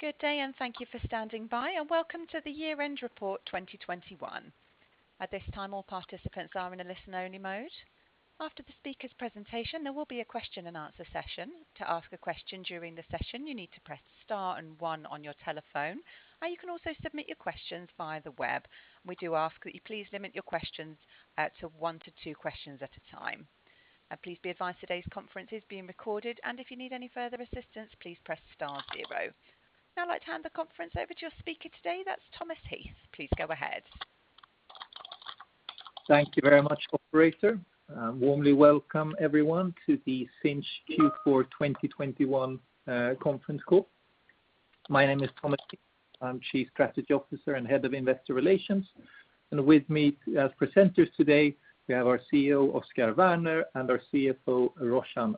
Good day, and thank you for standing by, and welcome to the year-end report 2021. At this time, all participants are in a listen-only mode. After the speaker's presentation, there will be a question-and-answer session. To ask a question during the session, you need to press star and one on your telephone, or you can also submit your questions via the web. We do ask that you please limit your questions to one to two questions at a time. Please be advised today's conference is being recorded, and if you need any further assistance, please press star zero. Now I'd like to hand the conference over to your speaker today, that's Thomas Heath. Please go ahead. Thank you very much, operator. Warmly welcome everyone to the Sinch Q4 2021 conference call. My name is Thomas Heath. I'm Chief Strategy Officer and Head of Investor Relations. With me as presenters today, we have our CEO, Oscar Werner, and our CFO, Roshan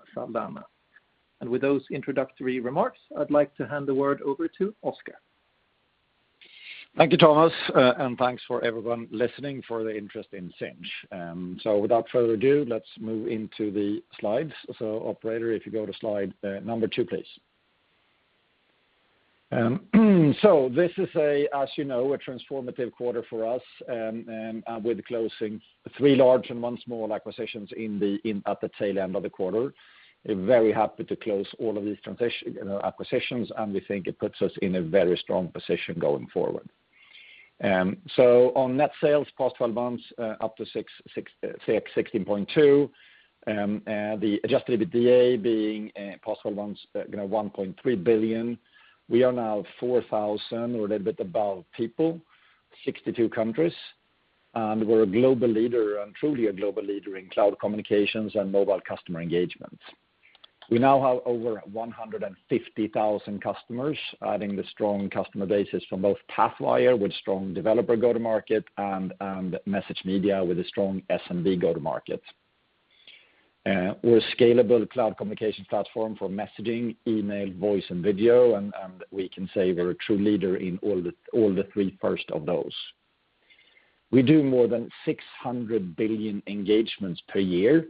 Saldanha. With those introductory remarks, I'd like to hand the word over to Oscar. Thank you, Thomas, and thanks for everyone listening for the interest in Sinch. Without further ado, let's move into the slides. Operator, if you go to slide number two, please. This is, as you know, a transformative quarter for us, with closing three large and one small acquisitions at the tail end of the quarter. We're very happy to close all of these acquisitions, and we think it puts us in a very strong position going forward. On net sales past 12 months, up to 616.2, the Adjusted EBITDA being past 12 months, you know, 1.3 billion. We are now 4,000 or a little bit above people, 62 countries, and we're a global leader and truly a global leader in cloud communications and mobile customer engagements. We now have over 150,000 customers, adding the strong customer base from both Pathwire, with strong developer go-to-market and MessageMedia with a strong SMB go-to-market. We're a scalable cloud communication platform for messaging, email, voice, and video, and we can say we're a true leader in all the first three of those. We do more than 600 billion engagements per year,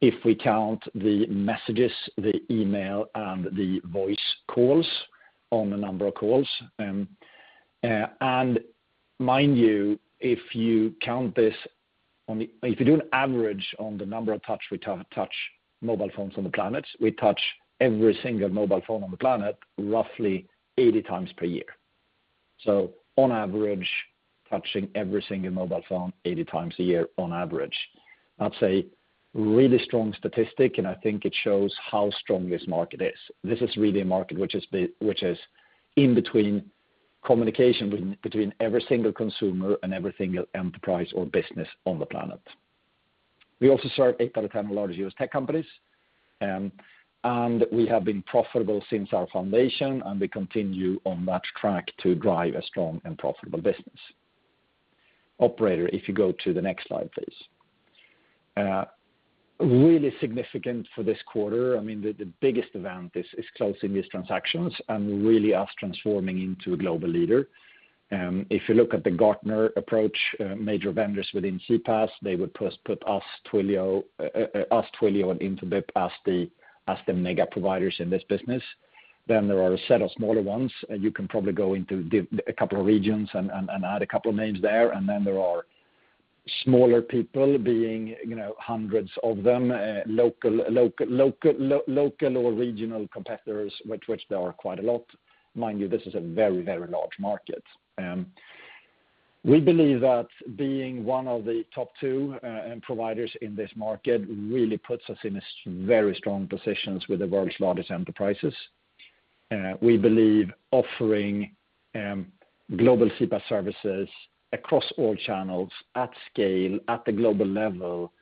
if we count the messages, the email, and the voice calls on the number of calls. Mind you, if you do an average on the number of touches we do to touch mobile phones on the planet, we touch every single mobile phone on the planet roughly 80 times per year. On average, touching every single mobile phone 80 times a year on average. That's a really strong statistic, and I think it shows how strong this market is. This is really a market which is the communication between every single consumer and every single enterprise or business on the planet. We also serve eight out of 10 largest U.S. tech companies, and we have been profitable since our foundation, and we continue on that track to drive a strong and profitable business. Operator, if you go to the next slide, please. Really significant for this quarter, I mean, the biggest event is closing these transactions and really transforming us into a global leader. If you look at the Gartner approach, major vendors within CPaaS, they would put us, Twilio, and Infobip as the mega providers in this business. Then there are a set of smaller ones. You can probably go into a couple of regions and add a couple of names there. Then there are smaller players, you know, hundreds of them, local or regional competitors, which there are quite a lot. Mind you, this is a very, very large market. We believe that being one of the top two providers in this market really puts us in a very strong positions with the world's largest enterprises. We believe offering global CPaaS services across all channels at scale at the global level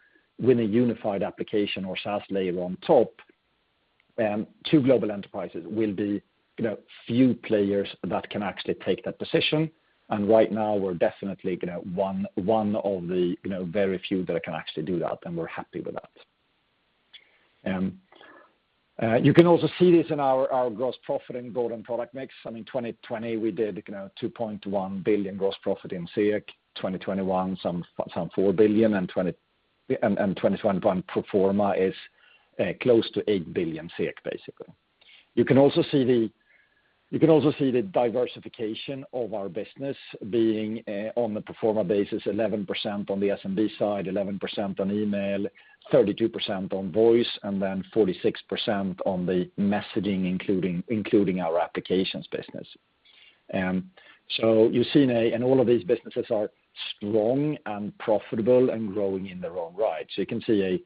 with a unified application or SaaS layer on top to global enterprises will be, you know, few players that can actually take that position. Right now, we're definitely, you know, one of the, you know, very few that can actually do that, and we're happy with that. You can also see this in our gross profit and global product mix. I mean, 2020, we did, you know, 2.1 billion gross profit 2021, 4 billion, and 2021 pro forma is close to 8 billion SEK, basically. You can also see the diversification of our business being on a pro forma basis, 11% on the SMB side, 11% on email, 32% on voice, and then 46% on the messaging, including our applications business. All of these businesses are strong and profitable and growing in their own right. You can see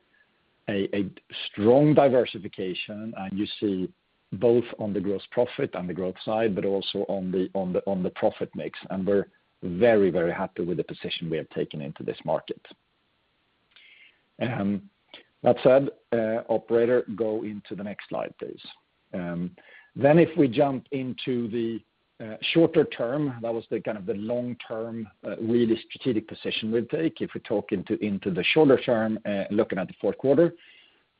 a strong diversification, and you see both on the gross profit and the growth side, but also on the profit mix. We're very happy with the position we have taken into this market. That said, operator, go into the next slide, please. If we jump into the shorter term, that was the kind of long-term really strategic position we take. If we talk into the shorter term, looking at the fourth quarter,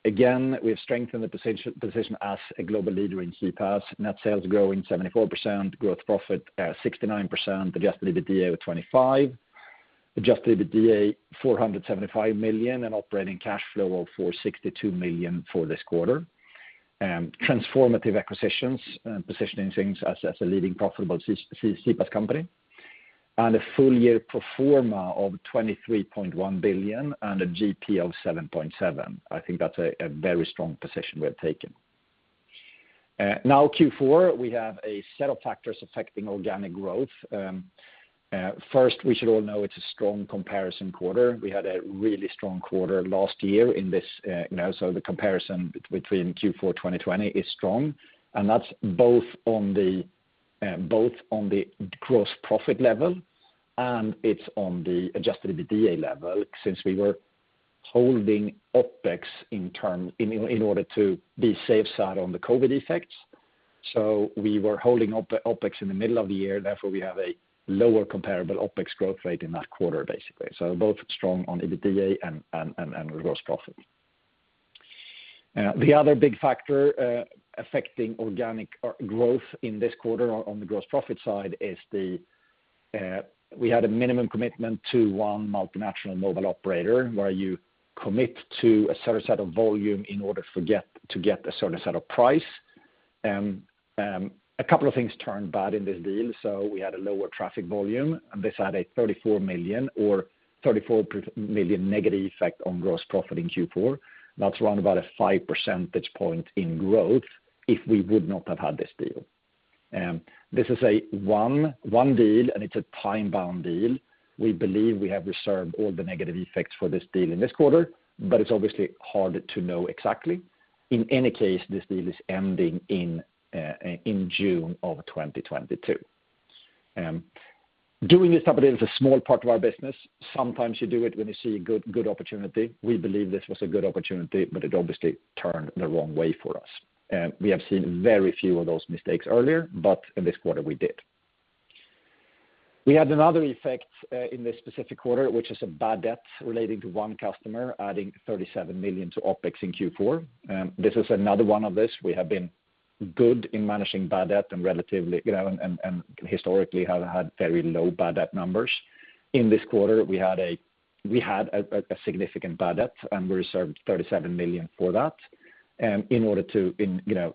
again, we've strengthened the position as a global leader in CPaaS. Net sales growing 74%, gross profit 69%, Adjusted EBITDA 25%. Adjusted EBITDA 475 million and operating cash flow of 462 million for this quarter. Transformative acquisitions and positioning things as a leading profitable CPaaS company. A full year pro forma of 23.1 billion and a GP of 7.7 billion. I think that's a very strong position we have taken. Now Q4, we have a set of factors affecting organic growth. First, we should all know it's a strong comparison quarter. We had a really strong quarter last year in this, the comparison between Q4 2020 is strong, and that's both on the gross profit level, and it's on the Adjusted EBITDA level since we were holding OpEx in order to be on the safe side on the COVID effects. We were holding OpEx in the middle of the year, therefore, we have a lower comparable OpEx growth rate in that quarter, basically. Both strong on EBITDA and gross profit. The other big factor affecting organic growth in this quarter on the gross profit side is, we had a minimum commitment to one multinational mobile operator, where you commit to a certain set of volume in order to get a certain set of price. A couple of things turned bad in this deal, so we had a lower traffic volume. This had a 34 million negative effect on gross profit in Q4. That's around about a 5 percentage point in growth if we would not have had this deal. This is a one-off deal, and it's a time-bound deal. We believe we have reserved all the negative effects for this deal in this quarter, but it's obviously hard to know exactly. In any case, this deal is ending in June 2022. Doing this type of deal is a small part of our business. Sometimes you do it when you see a good opportunity. We believe this was a good opportunity, but it obviously turned the wrong way for us. We have seen very few of those mistakes earlier, but in this quarter, we did. We had another effect, in this specific quarter, which is a bad debt relating to one customer, adding 37 million to OpEx in Q4. This is another one of this. We have been good in managing bad debt and relatively, you know, and historically have had very low bad debt numbers. In this quarter, we had a significant bad debt, and we reserved 37 million for that, in order to, you know,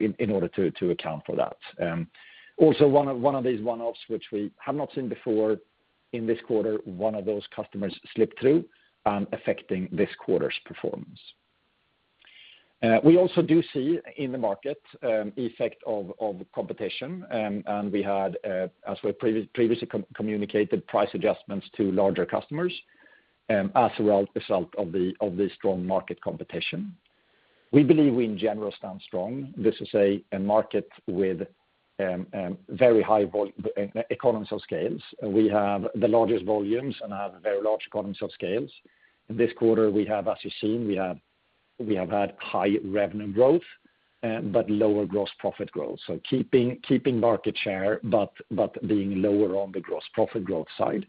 account for that. Also one of these one-offs, which we have not seen before in this quarter, one of those customers slipped through and affecting this quarter's performance. We also do see in the market, effect of competition. We had, as we previously communicated, price adjustments to larger customers, as a result of the strong market competition. We believe we in general stand strong. This is a market with very high volume economies of scale. We have the largest volumes and have very large economies of scale. This quarter, we have, as you've seen, had high revenue growth, but lower gross profit growth. Keeping market share, but being lower on the gross profit growth side,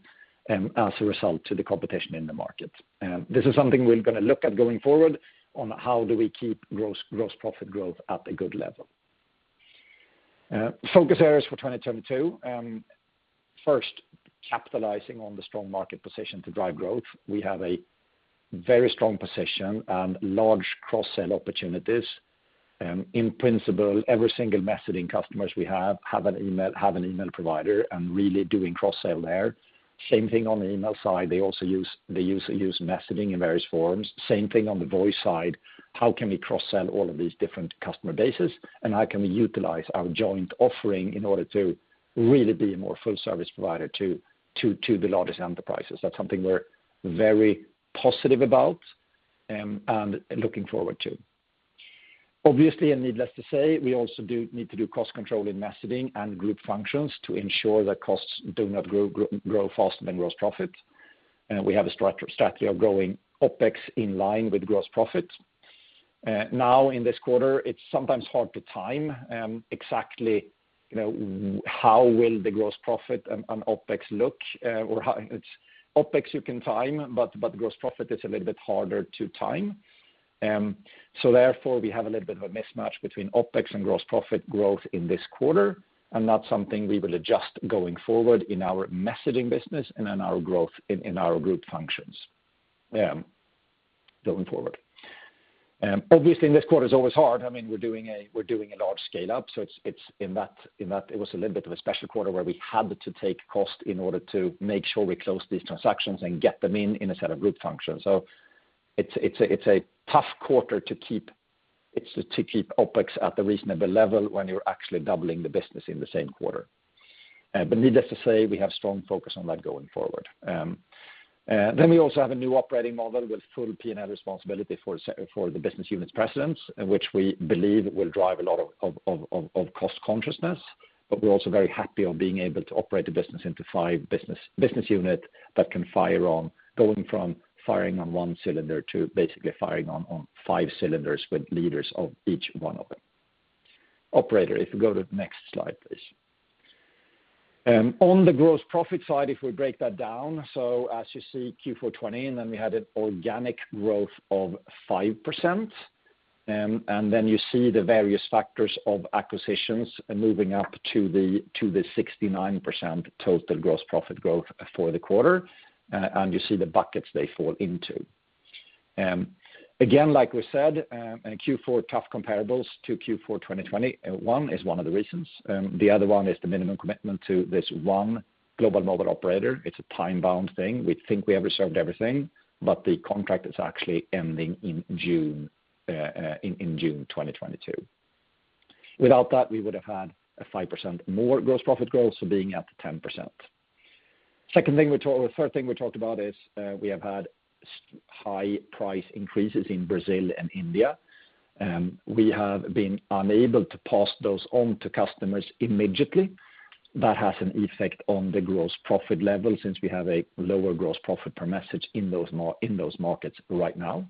as a result of the competition in the market. This is something we're gonna look at going forward on how do we keep gross profit growth at a good level. Focus areas for 2022. First, capitalizing on the strong market position to drive growth. We have a very strong position and large cross-sell opportunities. In principle, every single messaging customer we have has an email provider and really doing cross-sell there. Same thing on the email side. They also use messaging in various forms. Same thing on the voice side. How can we cross-sell all of these different customer bases? How can we utilize our joint offering in order to really be a more full service provider to the largest enterprises? That's something we're very positive about and looking forward to. Obviously, and needless to say, we also need to do cost control in messaging and group functions to ensure that costs do not grow faster than gross profit. We have a strategy of growing OpEx in line with gross profit. Now in this quarter, it's sometimes hard to time exactly, you know, how the gross profit and OpEx will look. OpEx you can time, but gross profit is a little bit harder to time. Therefore, we have a little bit of a mismatch between OpEx and gross profit growth in this quarter, and that's something we will adjust going forward in our messaging business and in our growth in our group functions, going forward. Obviously, this quarter is always hard. I mean, we're doing a large scale-up, so it's in that it was a little bit of a special quarter where we had to take cost in order to make sure we close these transactions and get them in a set of group functions. It's a tough quarter to keep OpEx at the reasonable level when you're actually doubling the business in the same quarter. Needless to say, we have strong focus on that going forward. We also have a new operating model with full P&L responsibility for the business unit's presidents, which we believe will drive a lot of cost consciousness. We're also very happy on being able to operate the business into five business units that can fire on, going from firing on one cylinder to basically firing on five cylinders with leaders of each one of them. Operator, if you go to the next slide, please. On the gross profit side, if we break that down, as you see Q4 2020, and then we had an organic growth of 5%. You see the various factors of acquisitions moving up to the 69% total gross profit growth for the quarter, and you see the buckets they fall into. Again, like we said, in Q4, tough comparables to Q4 2020. One is one of the reasons, the other one is the minimum commitment to this one global mobile operator. It's a time-bound thing. We think we have reserved everything, but the contract is actually ending in June 2022. Without that, we would have had a 5% more gross profit growth, being at 10%. Third thing we talked about is we have had high price increases in Brazil and India. We have been unable to pass those on to customers immediately. That has an effect on the gross profit level since we have a lower gross profit per message in those markets right now.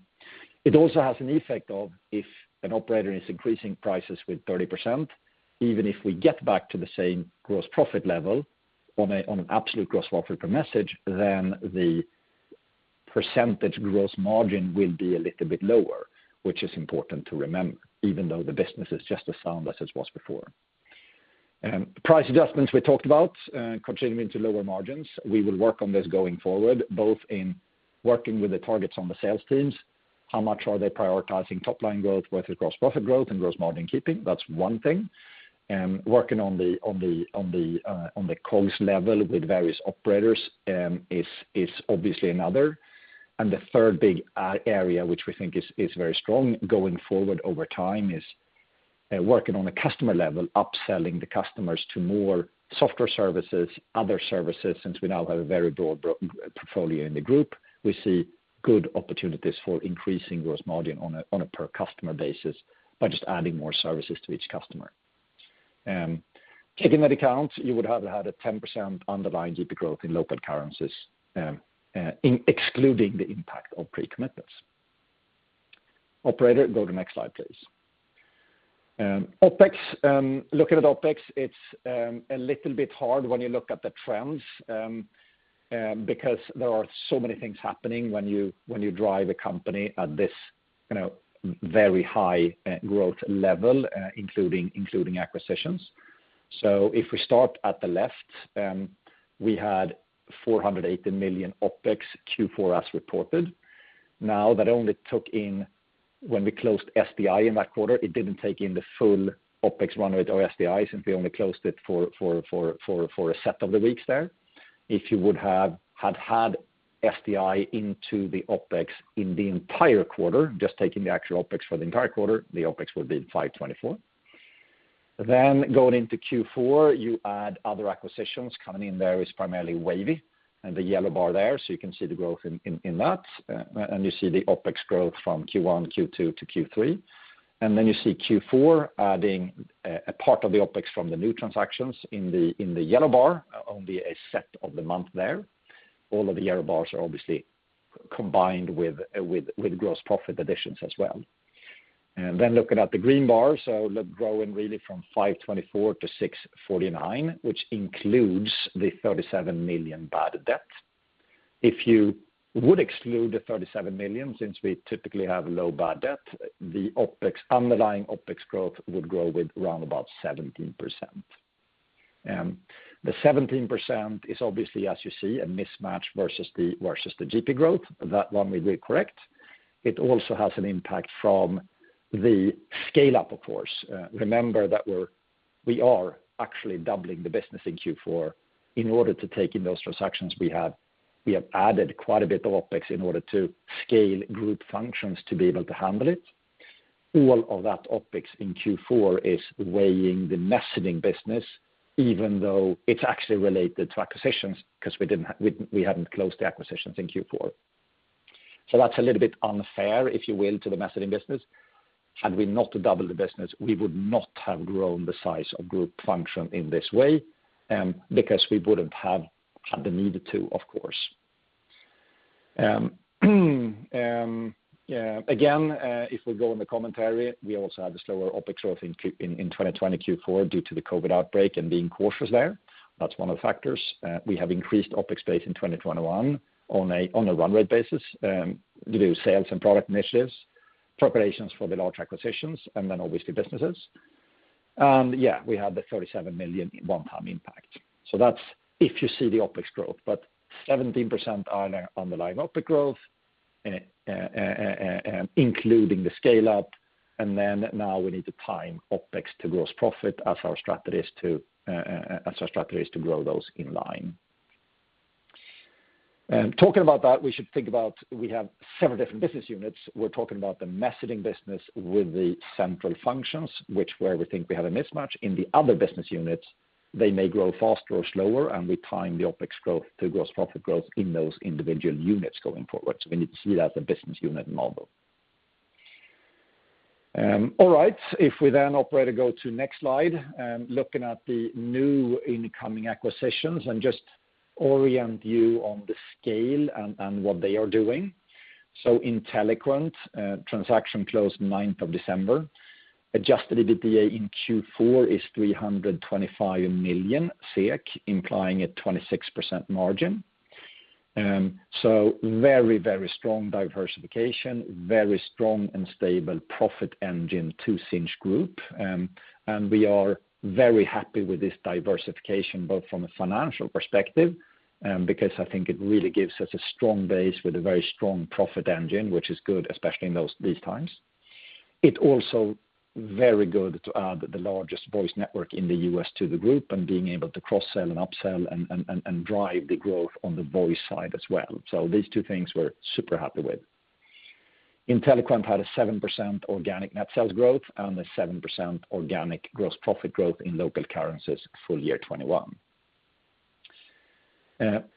It also has an effect. If an operator is increasing prices by 30%, even if we get back to the same gross profit level on an absolute gross profit per message, then the percentage gross margin will be a little bit lower, which is important to remember, even though the business is just as sound as it was before. Price adjustments we talked about continuing to lower margins. We will work on this going forward, both in working with the targets on the sales teams. How much are they prioritizing top-line growth versus gross profit growth and gross margin keeping? That's one thing. Working on the cost level with various operators is obviously another. The third big area which we think is very strong going forward over time is working on a customer level, upselling the customers to more software services, other services, since we now have a very broad portfolio in the group. We see good opportunities for increasing gross margin on a per customer basis by just adding more services to each customer. Taking that into account, you would have had a 10% underlying GP growth in local currencies, excluding the impact of pre-commitments. Operator, go to the next slide, please. OpEx, looking at OpEx, it's a little bit hard when you look at the trends, because there are so many things happening when you drive a company at this, you know, very high growth level, including acquisitions. If we start at the left, we had 480 million OpEx Q4 as reported. Now, that only took in when we closed SDI in that quarter, it didn't take in the full OpEx run rate or SDI since we only closed it for a set of the weeks there. If you would have had SDI into the OpEx in the entire quarter, just taking the actual OpEx for the entire quarter, the OpEx would be 524 million. Going into Q4, you add other acquisitions coming in there is primarily Wavy and the yellow bar there, so you can see the growth in that. You see the OpEx growth from Q1, Q2, to Q3. You see Q4 adding a part of the OpEx from the new acquisitions in the yellow bar, only a subset of the month there. All of the yellow bars are obviously combined with gross profit additions as well. Looking at the green bar, growing really from 524 million to 649 million, which includes the 37 million bad debt. If you would exclude the 37 million, since we typically have low bad debt, the OpEx, underlying OpEx growth would grow with around about 17%. The 17% is obviously, as you see, a mismatch versus the GP growth. That one we will correct. It also has an impact from the scale-up, of course. Remember that we are actually doubling the business in Q4. In order to take in those transactions, we have added quite a bit of OpEx in order to scale group functions to be able to handle it. All of that OpEx in Q4 is weighing the messaging business, even though it's actually related to acquisitions, 'cause we hadn't closed the acquisitions in Q4. So that's a little bit unfair, if you will, to the messaging business. Had we not doubled the business, we would not have grown the size of group function in this way, because we wouldn't have had the need to, of course. Again, if we go in the commentary, we also have a slower OpEx growth in 2020 Q4 due to the COVID outbreak and being cautious there. That's one of the factors. We have increased OpEx base in 2021 on a run rate basis due to sales and product initiatives, preparations for the large acquisitions, and then obviously businesses. Yeah, we have the 37 million one-time impact. That's if you see the OpEx growth, but 17% on the line OpEx growth including the scale-up. Then now we need to time OpEx to gross profit as our strategy is to grow those in line. Talking about that, we should think about we have several different business units. We're talking about the messaging business with the central functions, which is where we think we have a mismatch. In the other business units, they may grow faster or slower, and we time the OpEx growth to gross profit growth in those individual units going forward. We need to see that as a business unit model. All right. If we then, operator, go to next slide, looking at the new incoming acquisitions and just orient you on the scale and what they are doing. Inteliquent transaction closed ninth of December. Adjusted EBITDA in Q4 is 325 million SEK, implying a 26% margin. Very, very strong diversification, very strong and stable profit engine to Sinch Group. We are very happy with this diversification, both from a financial perspective, because I think it really gives us a strong base with a very strong profit engine, which is good, especially in these times. It's also very good to add the largest voice network in the U.S. to the group and being able to cross-sell and upsell and drive the growth on the voice side as well. These two things we're super happy with. Inteliquent had a 7% organic net sales growth and a 7% organic gross profit growth in local currencies full year 2021.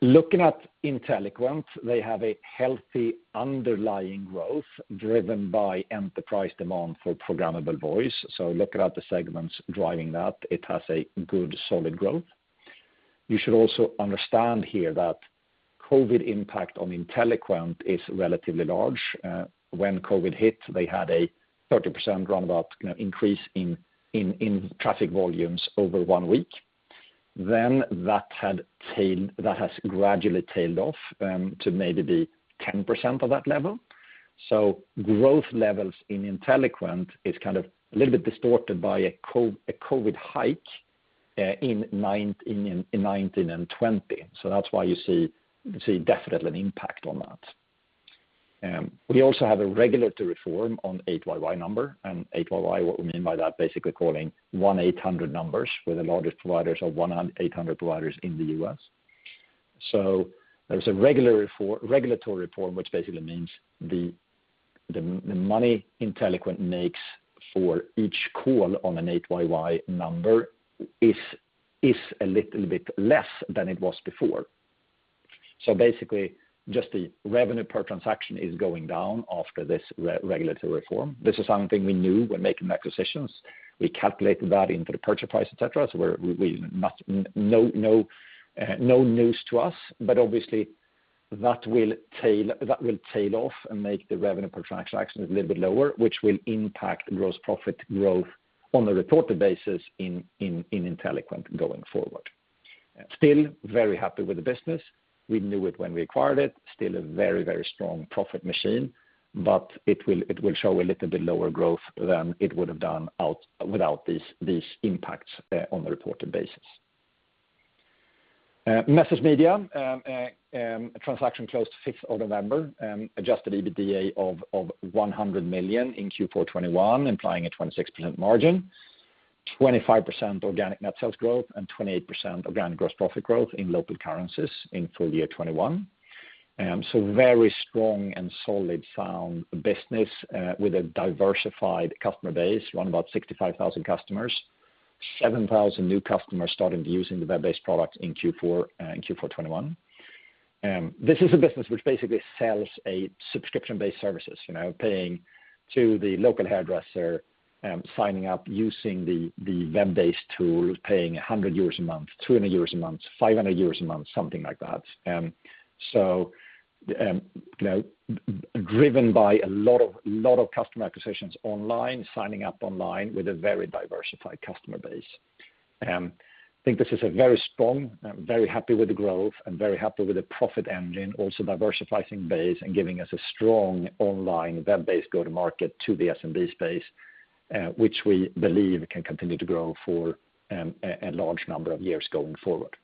Looking at Inteliquent, they have a healthy underlying growth driven by enterprise demand for programmable voice. Looking at the segments driving that, it has a good solid growth. You should also understand here that COVID impact on Inteliquent is relatively large. When COVID hit, they had a 30% or about increase in traffic volumes over 1 week. That has gradually tailed off to maybe be 10% of that level. Growth levels in Inteliquent is kind of a little bit distorted by a COVID hike in 2019 and 2020. That's why you see definitely an impact on that. We also have a regulatory reform on 8YY number, and 8YY, what we mean by that, basically calling 1-800 numbers. We're the largest providers of 1-800 providers in the U.S. There's a regulatory reform, which basically means the money Inteliquent makes for each call on a 8YY number is a little bit less than it was before. Basically, just the revenue per transaction is going down after this regulatory reform. This is something we knew when making acquisitions. We calculated that into the purchase price, et cetera. No news to us. Obviously, that will tail off and make the revenue per transaction a little bit lower, which will impact gross profit growth on the reported basis in Inteliquent going forward. Still very happy with the business. We knew it when we acquired it. Still a very strong profit machine, but it will show a little bit lower growth than it would have done without these impacts on the reported basis. MessageMedia, transaction closed fifth of November, Adjusted EBITDA of 100 million in Q4 2021, implying a 26% margin, 25% organic net sales growth, and 28% organic gross profit growth in local currencies in full year 2021. Very strong and solidly founded business with a diversified customer base, around 65,000 customers. 7,000 new customers started using the web-based product in Q4 2021. This is a business which basically sells subscription-based services, you know, paying to the local hairdresser, signing up using the web-based tool, paying 100 euros a month, 200 euros a month, 500 euros a month, something like that. Driven by a lot of customer acquisitions online, signing up online with a very diversified customer base. I think this is a very strong. I'm very happy with the growth and very happy with the profit engine, also diversifying base and giving us a strong online web-based go-to-market to the SMB space, which we believe can continue to grow for a large number of years going forward.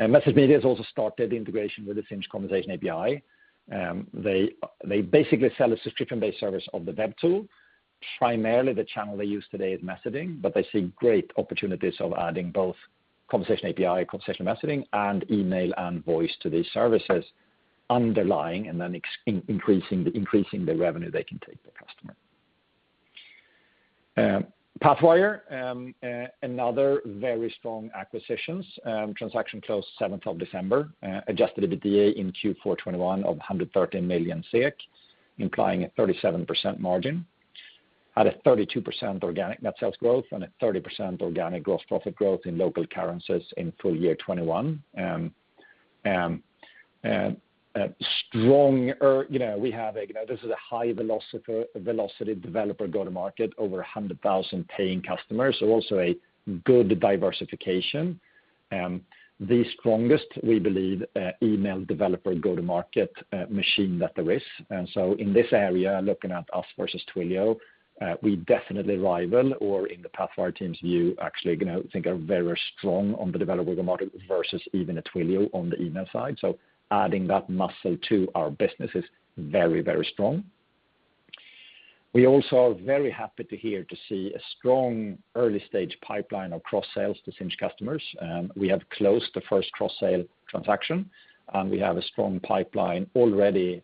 MessageMedia has also started integration with the Sinch Conversation API. They basically sell a subscription-based service of the web tool. Primarily, the channel they use today is messaging, but they see great opportunities of adding both Conversation API, conversational messaging, and email and voice to these services underlying and then increasing the revenue they can take per customer. Pathwire, another very strong acquisition. The transaction closed seventh of December. Adjusted EBITDA in Q4 2021 of 113 million SEK, implying a 37% margin at a 32% organic net sales growth and a 30% organic gross profit growth in local currencies in full year 2021. A strong year. You know, this is a high velocity developer go-to-market, over 100,000 paying customers, so also a good diversification. The strongest, we believe, email developer go-to-market machine that there is. In this area, looking at us versus Twilio, we definitely rival or, in the Pathwire team's view, actually, you know, think are very strong on the developer go-to-market versus even Twilio on the email side. Adding that muscle to our business is very, very strong. We are very happy to see a strong early-stage pipeline of cross-sales to Sinch customers. We have closed the first cross-sale transaction, and we have a strong pipeline already,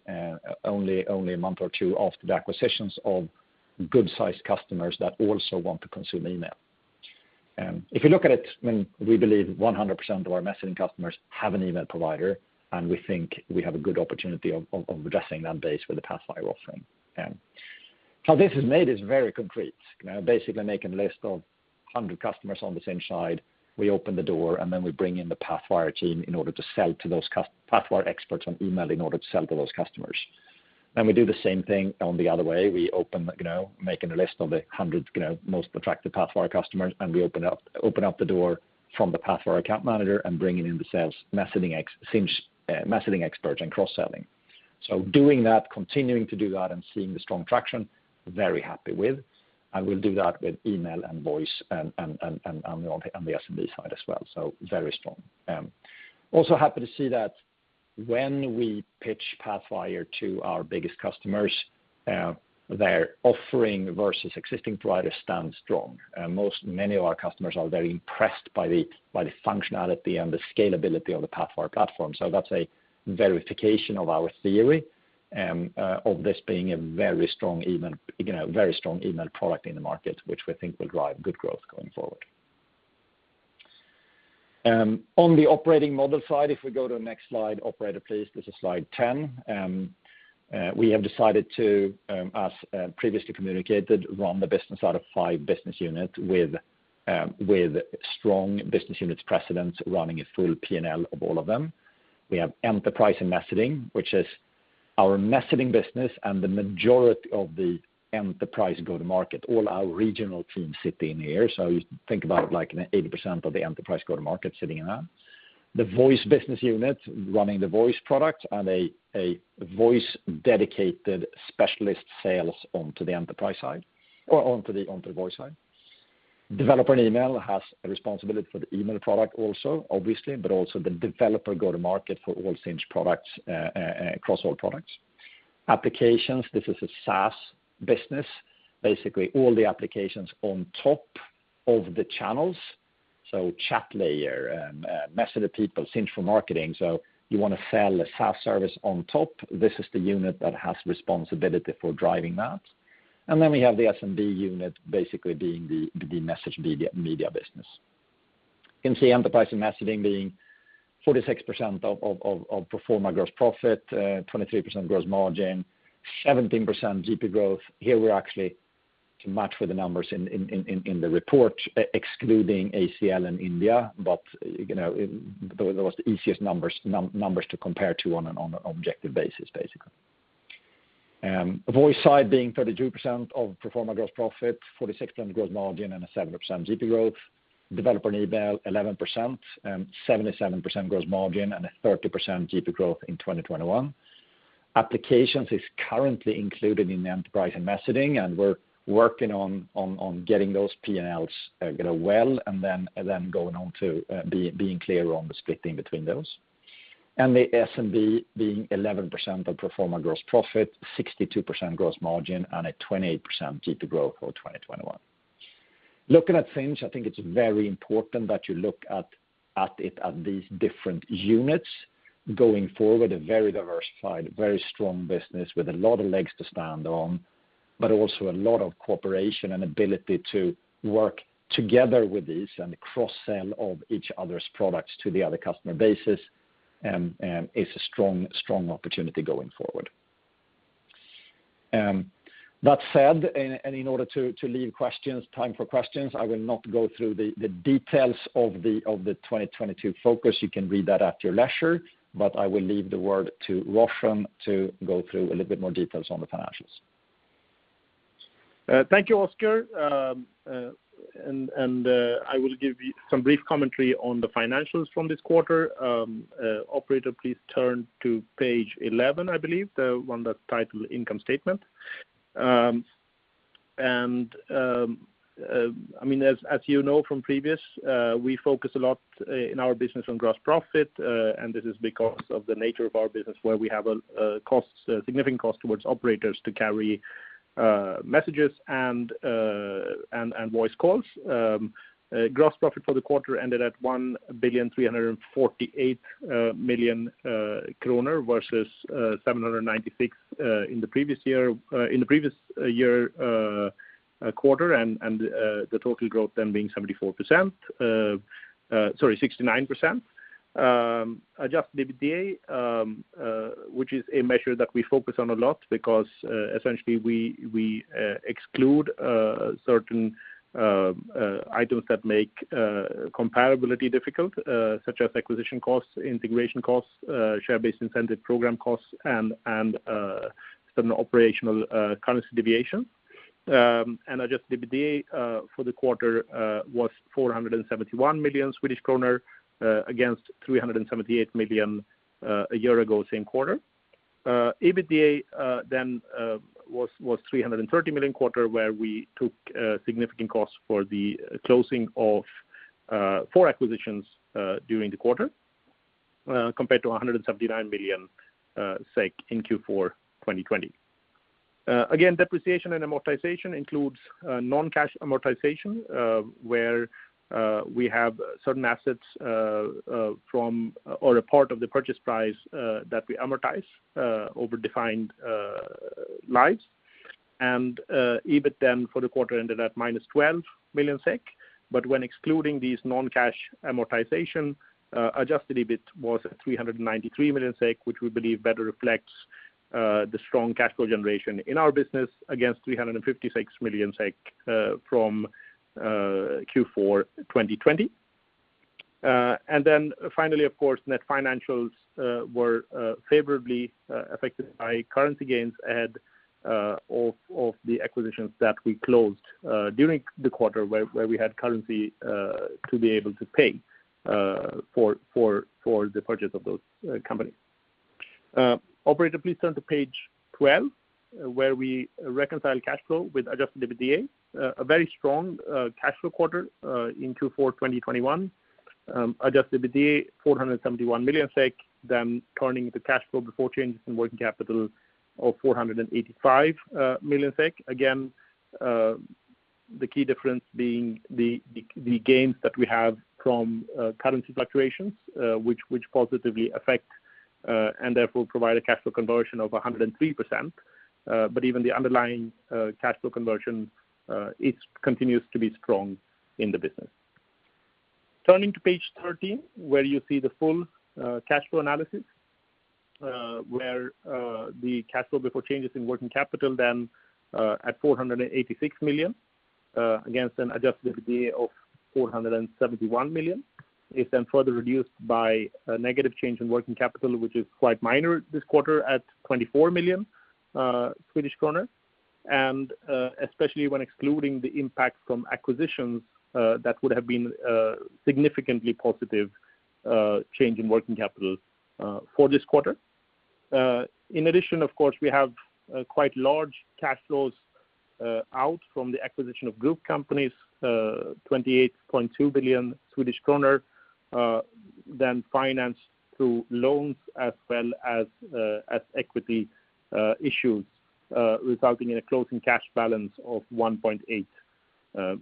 only a month or two after the acquisitions of good-sized customers that also want to consume email. If you look at it, I mean, we believe 100% of our messaging customers have an email provider, and we think we have a good opportunity of addressing that base with the Pathwire offering. How this is made is very concrete. You know, basically making a list of 100 customers on the Sinch side. We open the door, and then we bring in the Pathwire team in order to sell to those Pathwire experts on email in order to sell to those customers. We do the same thing on the other way. We open you know making a list of the 100 you know most attractive Pathwire customers, and we open up the door from the Pathwire account manager and bringing in the sales messaging Sinch messaging experts and cross-selling. Doing that, continuing to do that, and seeing the strong traction, very happy with, and we'll do that with email and voice and on the SMB side as well. Very strong. Also happy to see that when we pitch Pathwire to our biggest customers, their offering versus existing providers stands strong. Most of our customers are very impressed by the functionality and the scalability of the Pathwire platform. That's a verification of our theory of this being a very strong email product in the market, you know, which we think will drive good growth going forward. On the operating model side, if we go to the next slide, operator, please, this is slide 10. We have decided to, as previously communicated, run the business out of five business units with strong business unit presidents running a full P&L of all of them. We have Enterprise and Messaging, which is our messaging business and the majority of the enterprise go-to-market. All our regional teams sit in here, so you think about, like, 80% of the enterprise go-to-market sitting in that. The voice business unit running the voice product and a voice-dedicated specialist sales onto the enterprise side or onto the voice side. Developer and email has responsibility for the email product also, obviously, but also the developer go-to-market for all Sinch products across all products. Applications, this is a SaaS business. Basically, all the applications on top of the channels, so Chatlayer, MessengerPeople, Sinch4Marketing. You wanna sell a SaaS service on top, this is the unit that has responsibility for driving that. Then we have the SMB unit basically being the MessageMedia business. You can see enterprise and messaging being 46% of pro forma gross profit, 23% gross margin, 17% GP growth. Here we're actually to match with the numbers in the report, excluding ACL and India, but you know it. Those are the most easiest numbers to compare to on an objective basis, basically. Voice side being 32% of pro forma gross profit, 46% gross margin, and 7% GP growth. Developer and email, 11% and 77% gross margin and a 30% GP growth in 2021. Applications is currently included in the enterprise and messaging, and we're working on getting those P&Ls, you know, well, and then going on to being clear on the splitting between those. The SMB being 11% of pro forma gross profit, 62% gross margin, and a 28% GP growth for 2021. Looking at Sinch, I think it's very important that you look at it at these different units going forward. A very diversified, very strong business with a lot of legs to stand on, but also a lot of cooperation and ability to work together with these and cross-sell of each other's products to the other customer bases is a strong opportunity going forward. That said, in order to leave time for questions, I will not go through the details of the 2022 focus. You can read that at your leisure, but I will leave the word to Roshan to go through a little bit more details on the financials. Thank you, Oscar. I will give you some brief commentary on the financials from this quarter. Operator, please turn to page 11, I believe, the one that's titled Income Statement. I mean, as you know from previous, we focus a lot in our business on gross profit, and this is because of the nature of our business, where we have a costs, a significant cost towards operators to carry messages and voice calls. Gross profit for the quarter ended at 1,348 million kronor versus 796 million in the previous year quarter, and the total growth then being 74%. Sorry, 69%. Adjusted EBITDA, which is a measure that we focus on a lot because essentially we exclude certain items that make comparability difficult, such as acquisition costs, integration costs, share-based incentive program costs and certain operational currency deviations. Adjusted EBITDA for the quarter was 471 million Swedish kronor against 378 million a year ago, same quarter. EBITDA was 330 million for the quarter, where we took significant costs for the closing of four acquisitions during the quarter, compared to 179 million SEK in Q4 2020. Again, depreciation and amortization includes non-cash amortization, where we have certain assets from or a part of the purchase price that we amortize over defined lives. EBIT then for the quarter ended at -12 million SEK, but when excluding these non-cash amortization, adjusted EBIT was at 393 million SEK, which we believe better reflects the strong cash flow generation in our business against 356 million SEK from Q4 2020. Finally, of course, net financials were favorably affected by currency gains ahead of the acquisitions that we closed during the quarter, where we had currency to be able to pay for the purchase of those companies. Operator, please turn to page 12, where we reconcile cash flow with Adjusted EBITDA. A very strong cash flow quarter in Q4 of 2021. Adjusted EBITDA, 471 million SEK, then turning to cash flow before changes in working capital of 485 million SEK. Again, the key difference being the gains that we have from currency fluctuations, which positively affect and therefore provide a cash flow conversion of 103%. Even the underlying cash flow conversion it continues to be strong in the business. Turning to page thirteen, where you see the full cash flow analysis, where the cash flow before changes in working capital then at 486 million against an Adjusted EBITDA of 471 million is then further reduced by a negative change in working capital, which is quite minor this quarter at 24 million Swedish krona. Especially when excluding the impact from acquisitions, that would have been a significantly positive change in working capital for this quarter. In addition, of course, we have quite large cash flows out from the acquisition of group companies, 28.2 billion Swedish kronor, then financed through loans as well as equity issues, resulting in a closing cash balance of 1.8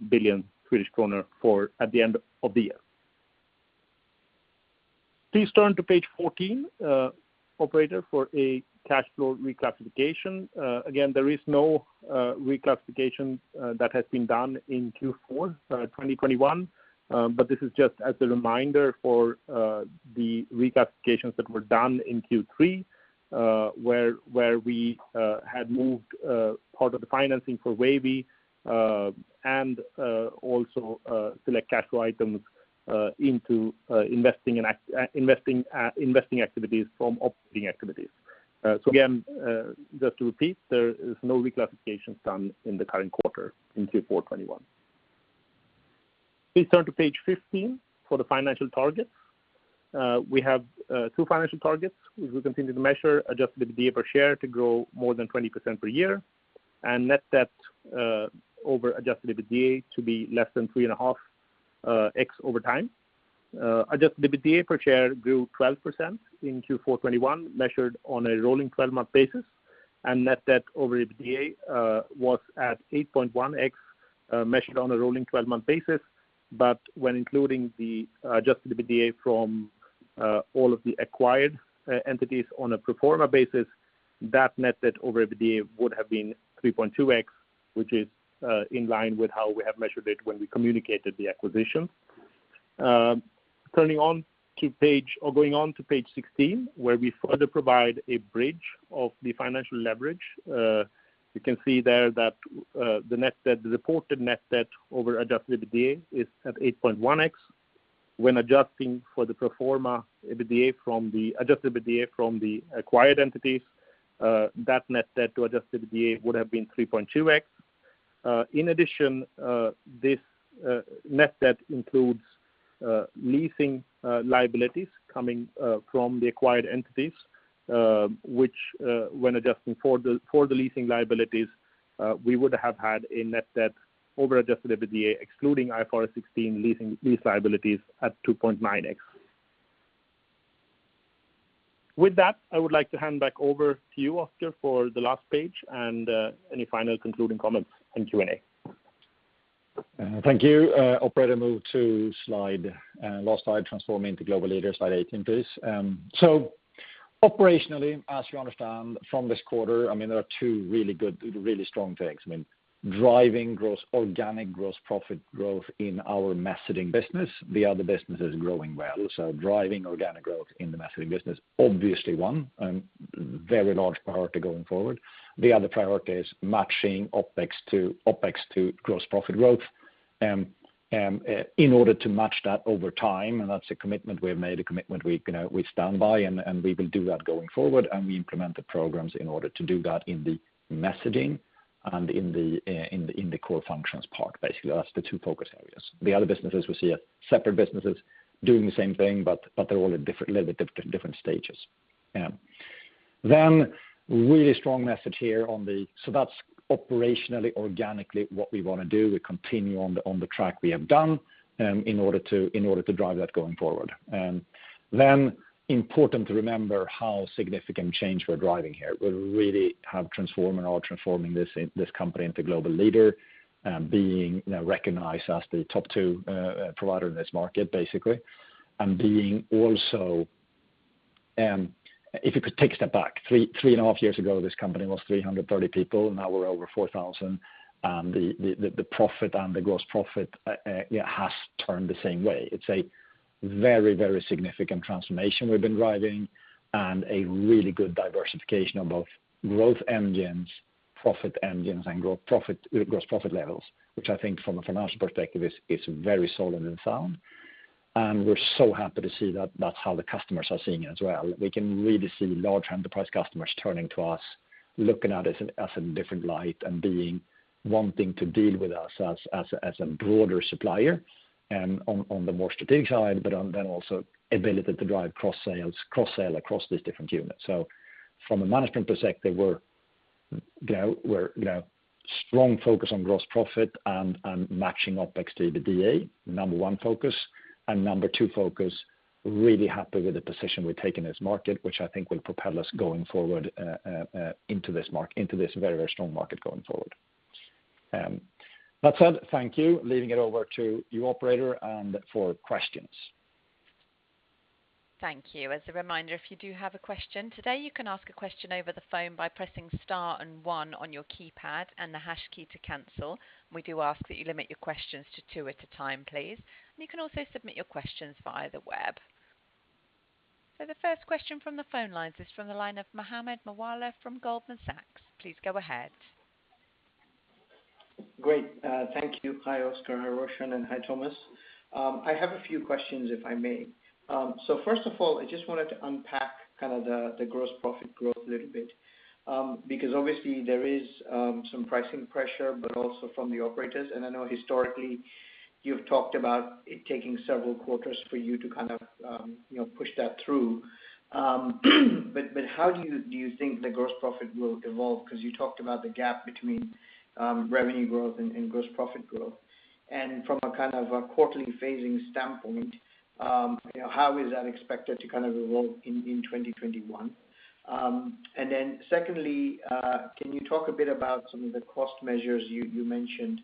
billion Swedish kronor for the end of the year. Please turn to page 14, operator, for a cash flow reclassification. Again, there is no reclassification that has been done in Q4 2021. This is just as a reminder for the reclassifications that were done in Q3, where we had moved part of the financing for Wavy and also select cash flow items into investing activities from operating activities. Again, just to repeat, there is no reclassification done in the current quarter in Q4 2021. Please turn to page 15 for the financial targets. We have two financial targets, which we continue to measure, Adjusted EBITDA per share to grow more than 20% per year, and net debt over Adjusted EBITDA to be less than 3.5x over time. Adjusted EBITDA per share grew 12% in Q4 2021, measured on a rolling 12-month basis, and net debt over EBITDA was at 8.1x, measured on a rolling 12-month basis. When including the Adjusted EBITDA from all of the acquired entities on a pro forma basis, that net debt over EBITDA would have been 3.2x, which is in line with how we have measured it when we communicated the acquisition. Turning to page 16, where we further provide a bridge of the financial leverage. You can see there that the net debt, the reported net debt over Adjusted EBITDA is at 8.1x. When adjusting for the pro forma EBITDA from the Adjusted EBITDA from the acquired entities, that net debt to Adjusted EBITDA would have been 3.2x. In addition, this net debt includes leasing liabilities coming from the acquired entities, which, when adjusting for the leasing liabilities, we would have had a net debt over Adjusted EBITDA excluding IFRS 16 leasing lease liabilities at 2.9x. With that, I would like to hand back over to you, Oscar, for the last page and any final concluding comments and Q&A. Thank you. Operator, move to slide last slide, transforming to global leader, slide 18, please. Operationally, as you understand from this quarter, I mean, there are two really good, really strong things. I mean, driving organic gross profit growth in our messaging business. The other business is growing well. Driving organic growth in the messaging business, obviously one very large priority going forward. The other priority is matching OpEx to gross profit growth in order to match that over time, and that's a commitment we have made, you know, we stand by and we will do that going forward. We implement the programs in order to do that in the messaging and in the core functions part, basically. That's the two focus areas. The other businesses we see as separate businesses doing the same thing, but they're all at a little bit different stages. Then really strong message here on the. That's operationally, organically, what we wanna do. We continue on the track we have done in order to drive that going forward. Then important to remember how significant change we're driving here. We really have transformed and are transforming this company into global leader, being, you know, recognized as the top two provider in this market, basically. Being also, if you could take a step back, three and half years ago, this company was 330 people. Now we're over 4,000. And the profit and the gross profit has turned the same way. It's a very, very significant transformation we've been driving and a really good diversification of both growth engines, profit engines and gross profit levels, which I think from a financial perspective is very solid and sound. We're so happy to see that that's how the customers are seeing it as well. We can really see large enterprise customers turning to us, looking at us in a different light and being, wanting to deal with us as a broader supplier and on the more strategic side, but then also ability to drive cross-sell across these different units. From a management perspective, we're, you know, strong focus on gross profit and matching OpEx to EBITDA, number one focus, and number two focus, really happy with the position we've taken in this market, which I think will propel us going forward into this very, very strong market going forward. That said, thank you. Leaving it over to you, operator, and for questions. Thank you. As a reminder, if you do have a question today, you can ask a question over the phone by pressing star and one on your keypad and the Hash key to cancel. We do ask that you limit your questions to two at a time, please. And you can also submit your questions via the web. The first question from the phone lines is from the line of Mohammed Moawalla from Goldman Sachs. Please go ahead. Great. Thank you. Hi, Oscar, hi, Roshan, and hi, Thomas. I have a few questions, if I may. First of all, I just wanted to unpack kind of the gross profit growth a little bit, because obviously there is some pricing pressure, but also from the operators. I know historically you've talked about it taking several quarters for you to kind of you know push that through. But how do you do you think the gross profit will evolve? Because you talked about the gap between revenue growth and gross profit growth. From a kind of a quarterly phasing standpoint, you know, how is that expected to kind of evolve in 2021? Then secondly, can you talk a bit about some of the cost measures you mentioned?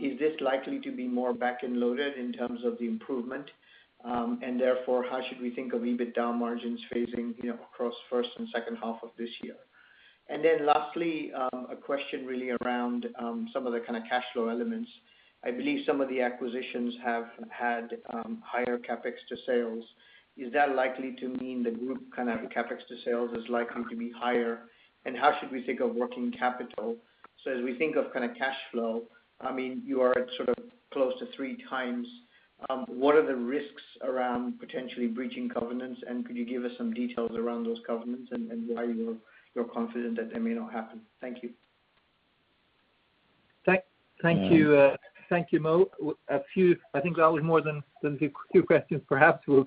Is this likely to be more back-ended loaded in terms of the improvement? Therefore, how should we think of EBITDA margins phasing, you know, across first and second half of this year? Then lastly, a question really around some of the kinda cash flow elements. I believe some of the acquisitions have had higher CapEx to sales. Is that likely to mean the group kind of CapEx to sales is likely to be higher? How should we think of working capital? As we think of kind of cash flow, I mean, you are at sort of close to three times, what are the risks around potentially breaching covenants? Could you give us some details around those covenants and why you're confident that they may not happen? Thank you. Thank you. Um- Thank you, Mo. A few, I think that was more than a few questions perhaps. We'll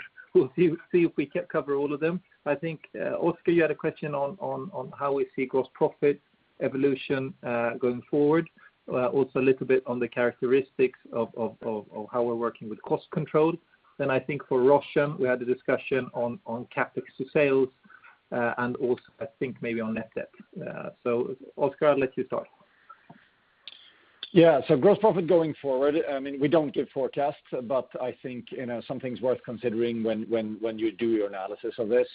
see if we can cover all of them. I think, Oscar, you had a question on how we see gross profit evolution going forward. Also a little bit on the characteristics of how we're working with cost control. I think for Roshan, we had a discussion on CapEx to sales, and also I think maybe on net debt. Oscar, I'll let you start. Yeah. Gross profit going forward, I mean, we don't give forecasts, but I think, you know, something's worth considering when you do your analysis of this.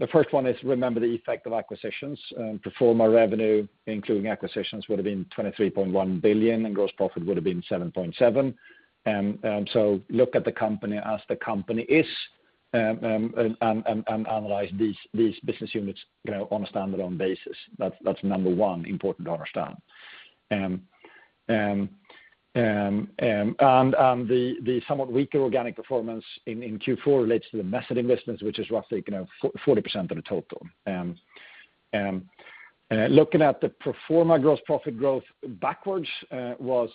The first one is remember the effect of acquisitions. Pro forma revenue, including acquisitions, would've been 23.1 billion, and gross profit would've been 7.7 billion. Look at the company as the company is, and analyze these business units, you know, on a standalone basis. That's number one important to understand. The somewhat weaker organic performance in Q4 relates to the messaging business, which is roughly, you know, 40% of the total. Looking at the pro forma gross profit growth backwards, gross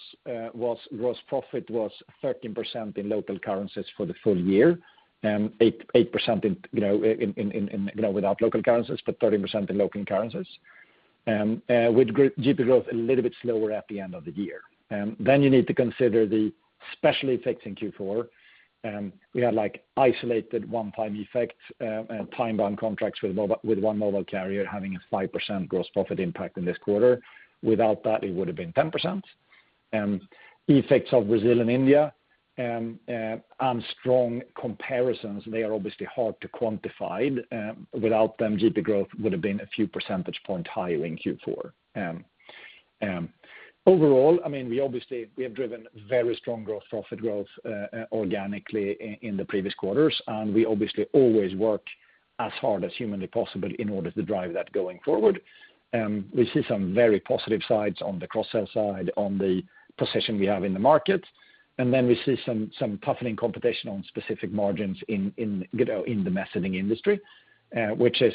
profit was 13% in local currencies for the full year, 8% in, you know, without local currencies, but 13% in local currencies, with GP growth a little bit slower at the end of the year. You need to consider the special effects in Q4. We had like isolated one-time effects, and time-bound contracts with one mobile carrier having a 5% gross profit impact in this quarter. Without that, it would've been 10%. Effects of Brazil and India, and strong comparisons, they are obviously hard to quantify. Without them, GP growth would've been a few percentage points higher in Q4. Overall, I mean, we obviously have driven very strong growth, profit growth, organically in the previous quarters, and we obviously always work as hard as humanly possible in order to drive that going forward. We see some very positive sides on the cross-sell side, on the position we have in the market. Then we see some toughening competition on specific margins in, you know, in the messaging industry, which is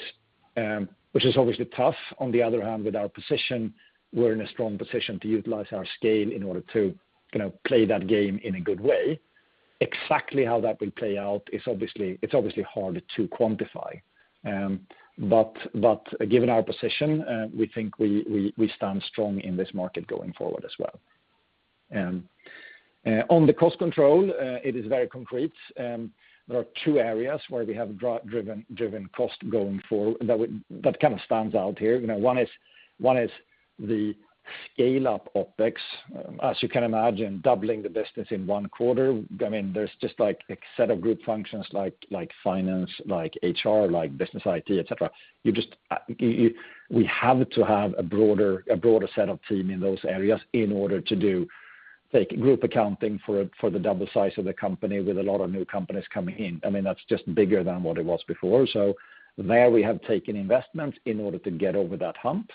obviously tough. On the other hand, with our position, we're in a strong position to utilize our scale in order to, you know, play that game in a good way. Exactly how that will play out is obviously hard to quantify. But given our position, we think we stand strong in this market going forward as well. On the cost control, it is very concrete. There are two areas where we have driven cost going forward that kind of stands out here. You know, one is the scale-up OpEx. As you can imagine, doubling the business in one quarter, I mean, there's just like a set of group functions like finance, like HR, like business IT, et cetera. We have to have a broader set of team in those areas in order to do the group accounting for the double size of the company with a lot of new companies coming in. I mean, that's just bigger than what it was before. There we have taken investments in order to get over that hump.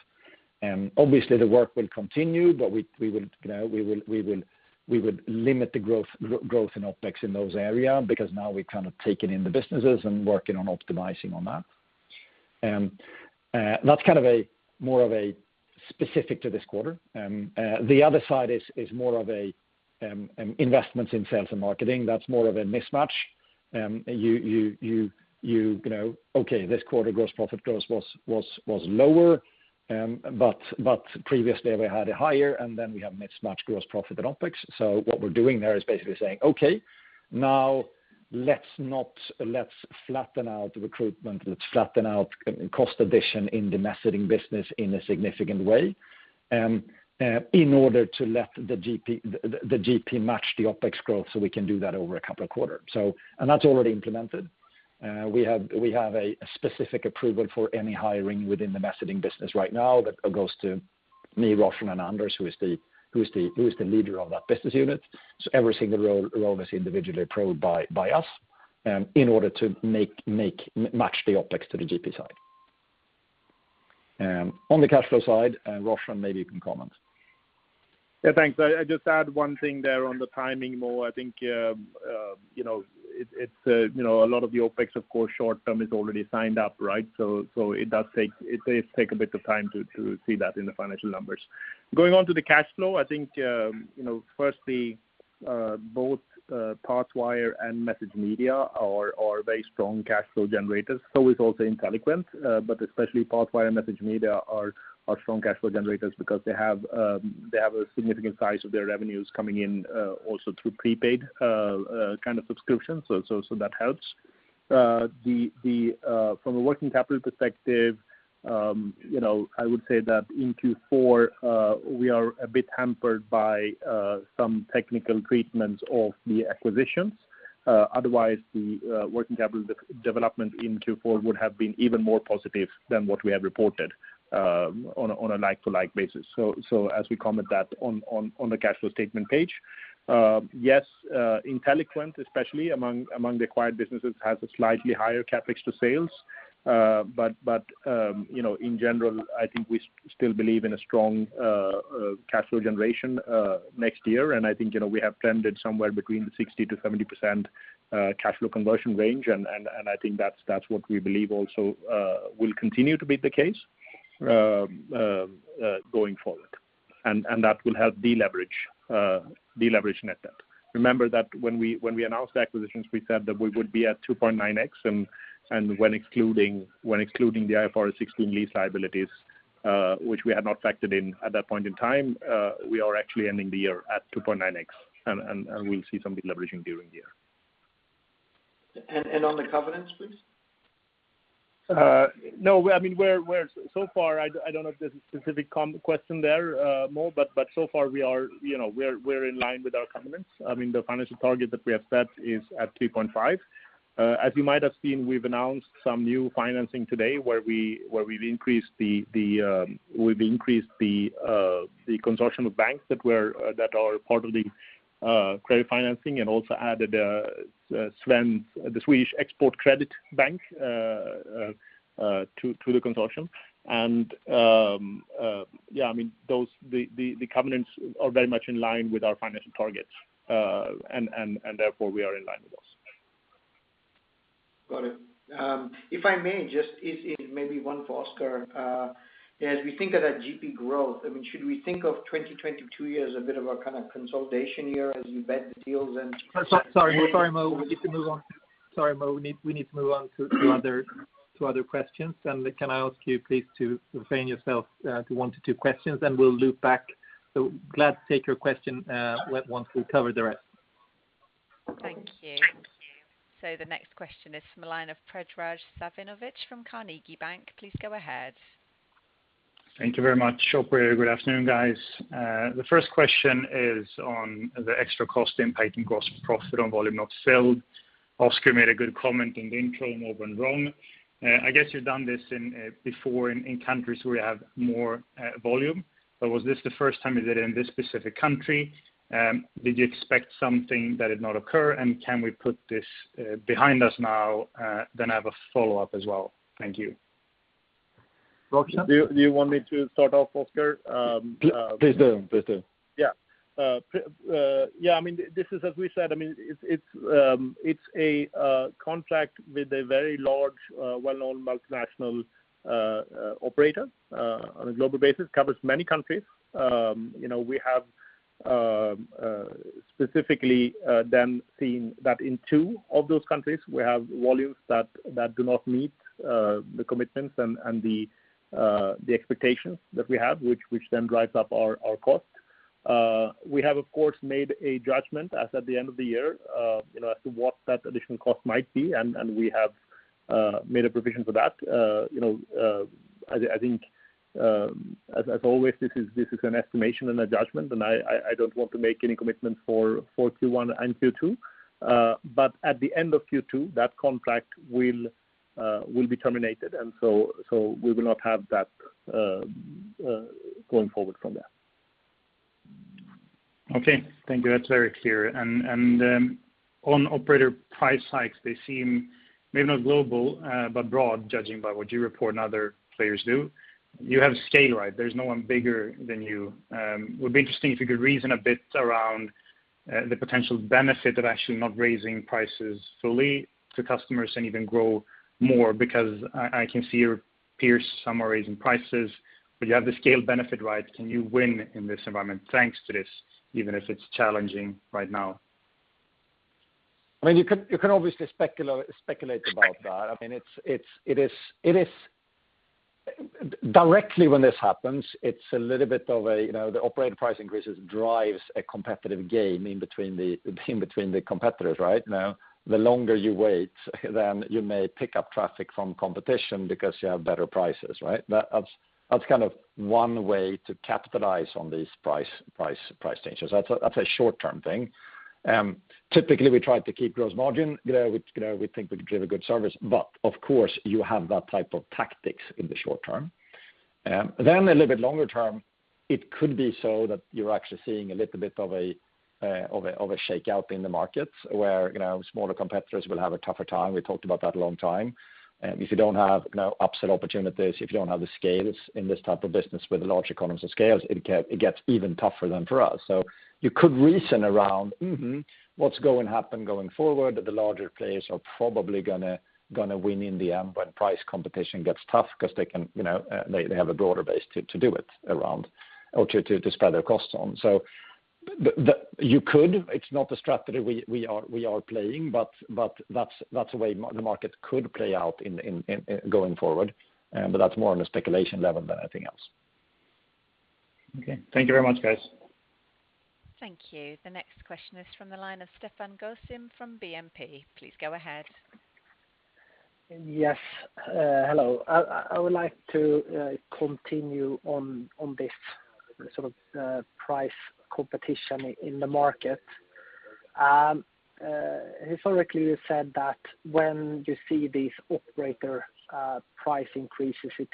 Obviously the work will continue, but we will, you know, we would limit the growth in OpEx in those areas because now we've kind of taken in the businesses and working on optimizing on that. That's kind of more of a specific to this quarter. The other side is more of a investments in sales and marketing, that's more of a mismatch. You know, okay, this quarter gross profit growth was lower. Previously we had it higher, and then we have mismatched gross profit and OpEx. What we're doing there is basically saying, "Okay, now let's flatten out recruitment, let's flatten out cost addition in the messaging business in a significant way, in order to let the GP match the OpEx growth, so we can do that over a couple of quarters." That's already implemented. We have a specific approval for any hiring within the messaging business right now that goes to me, Roshan, and Anders, who is the leader of that business unit. Every single role is individually approved by us in order to match the OpEx to the GP side. On the cash flow side, Roshan, maybe you can comment. Yeah, thanks. I just add one thing there on the timing more. I think you know it's you know a lot of the OpEx of course short term is already signed up right? It does take a bit of time to see that in the financial numbers. Going on to the cash flow I think you know firstly both Pathwire and MessageMedia are very strong cash flow generators. So is also Inteliquent but especially Pathwire and MessageMedia are strong cash flow generators because they have a significant size of their revenues coming in also through prepaid kind of subscription. That helps. From a working capital perspective, you know, I would say that in Q4, we are a bit hampered by some technical treatments of the acquisitions. Otherwise, the working capital de-development in Q4 would have been even more positive than what we have reported on a like-to-like basis. As we comment that on the cash flow statement page. Yes, Inteliquent, especially among the acquired businesses, has a slightly higher CapEx to sales. In general, I think we still believe in a strong cash flow generation next year. I think, you know, we have tended somewhere between the 60%-70% cash flow conversion range. I think that's what we believe also will continue to be the case going forward. That will help deleverage net debt. Remember that when we announced the acquisitions, we said that we would be at 2.9x. When excluding the IFRS 16 lease liabilities, which we had not factored in at that point in time, we are actually ending the year at 2.9x, and we'll see some deleveraging during the year. On the covenants, please? No, I mean, so far I don't know if there's a specific question there, Mo, but so far we are in line with our covenants. I mean, the financial target that we have set is at 3.5. As you might have seen, we've announced some new financing today where we've increased the consortium of banks that are part of the credit financing and also added SEK, the Swedish Export Credit Corporation, to the consortium. I mean, the covenants are very much in line with our financial targets. Therefore we are in line with those. Got it. If I may just. It's maybe one for Oscar. As we think about GP growth, I mean, should we think of 2022 year as a bit of a kind of consolidation year as you bed the deals and- Sorry, Mo. We need to move on. Sorry, Mo. We need to move on to other questions. Can I ask you please to refrain yourself to one to two questions, and we'll loop back. Glad to take your question once we've covered the rest. Thank you. The next question is from the line of Predrag Savinovic from Carnegie Investment Bank. Please go ahead. Thank you very much, operator. Good afternoon, guys. The first question is on the extra cost impact in gross profit on volume not sold. Oscar made a good comment in the intro, and Mo went wrong. I guess you've done this before in countries where you have more volume. Was this the first time you did it in this specific country? Did you expect something that did not occur? Can we put this behind us now? Then I have a follow-up as well. Thank you. Roshan? Do you want me to start off, Oscar? Please do. Yeah. I mean, this is as we said. I mean, it's a contract with a very large, well-known multinational operator on a global basis. It covers many countries. You know, we have specifically then seen that in two of those countries, we have volumes that do not meet the commitments and the expectations that we have, which then drives up our costs. We have, of course, made a judgment as at the end of the year, you know, as to what that additional cost might be, and we have made a provision for that. You know, I think, as always, this is an estimation and a judgment, and I don't want to make any commitment for Q1 and Q2. At the end of Q2, that contract will be terminated. We will not have that going forward from there. Okay. Thank you. That's very clear. On operator price hikes, they seem maybe not global, but broad judging by what you report and other players do. You have scale, right? There's no one bigger than you. Would be interesting if you could reason a bit around the potential benefit of actually not raising prices fully to customers and even grow more because I can see your peers some are raising prices, but you have the scale benefit, right? Can you win in this environment thanks to this, even if it's challenging right now? I mean, you can obviously speculate about that. I mean, it is. Directly when this happens, it's a little bit of a, you know, the operator price increases drives a competitive game in between the competitors, right? Now, the longer you wait, then you may pick up traffic from competition because you have better prices, right? That's kind of one way to capitalize on these price changes. That's a short-term thing. Typically, we try to keep gross margin, you know, we think we deliver good service, but of course you have that type of tactics in the short term. A little bit longer term, it could be so that you're actually seeing a little bit of a shakeout in the markets where, you know, smaller competitors will have a tougher time. We talked about that a long time. If you don't have, you know, upsell opportunities, if you don't have the scales in this type of business with large economies of scales, it gets even tougher than for us. You could reason around what's going to happen going forward, that the larger players are probably gonna win in the end when price competition gets tough because they can, you know, they have a broader base to do it around or to spread their costs on. You could. It's not a strategy we are playing, but that's a way the market could play out in going forward. That's more on a speculation level than anything else. Okay. Thank you very much, guys. Thank you. The next question is from the line of Stefan Gauffin from DNB. Please go ahead. Yes. Hello. I would like to continue on this sort of price competition in the market. Historically you said that when you see these operator price increases, it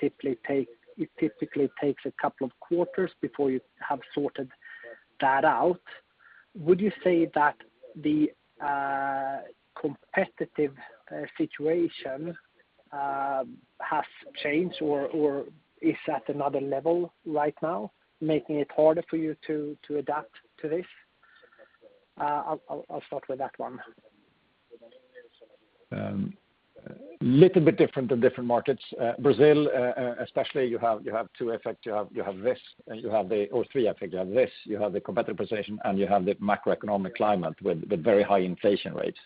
typically takes a couple of quarters before you have sorted that out. Would you say that the competitive situation has changed or is at another level right now, making it harder for you to adapt to this? I'll start with that one. Little bit different in different markets. Brazil, especially you have two effects. You have this, and you have the competitive position, or three, I figure. You have the macroeconomic climate with the very high inflation rates,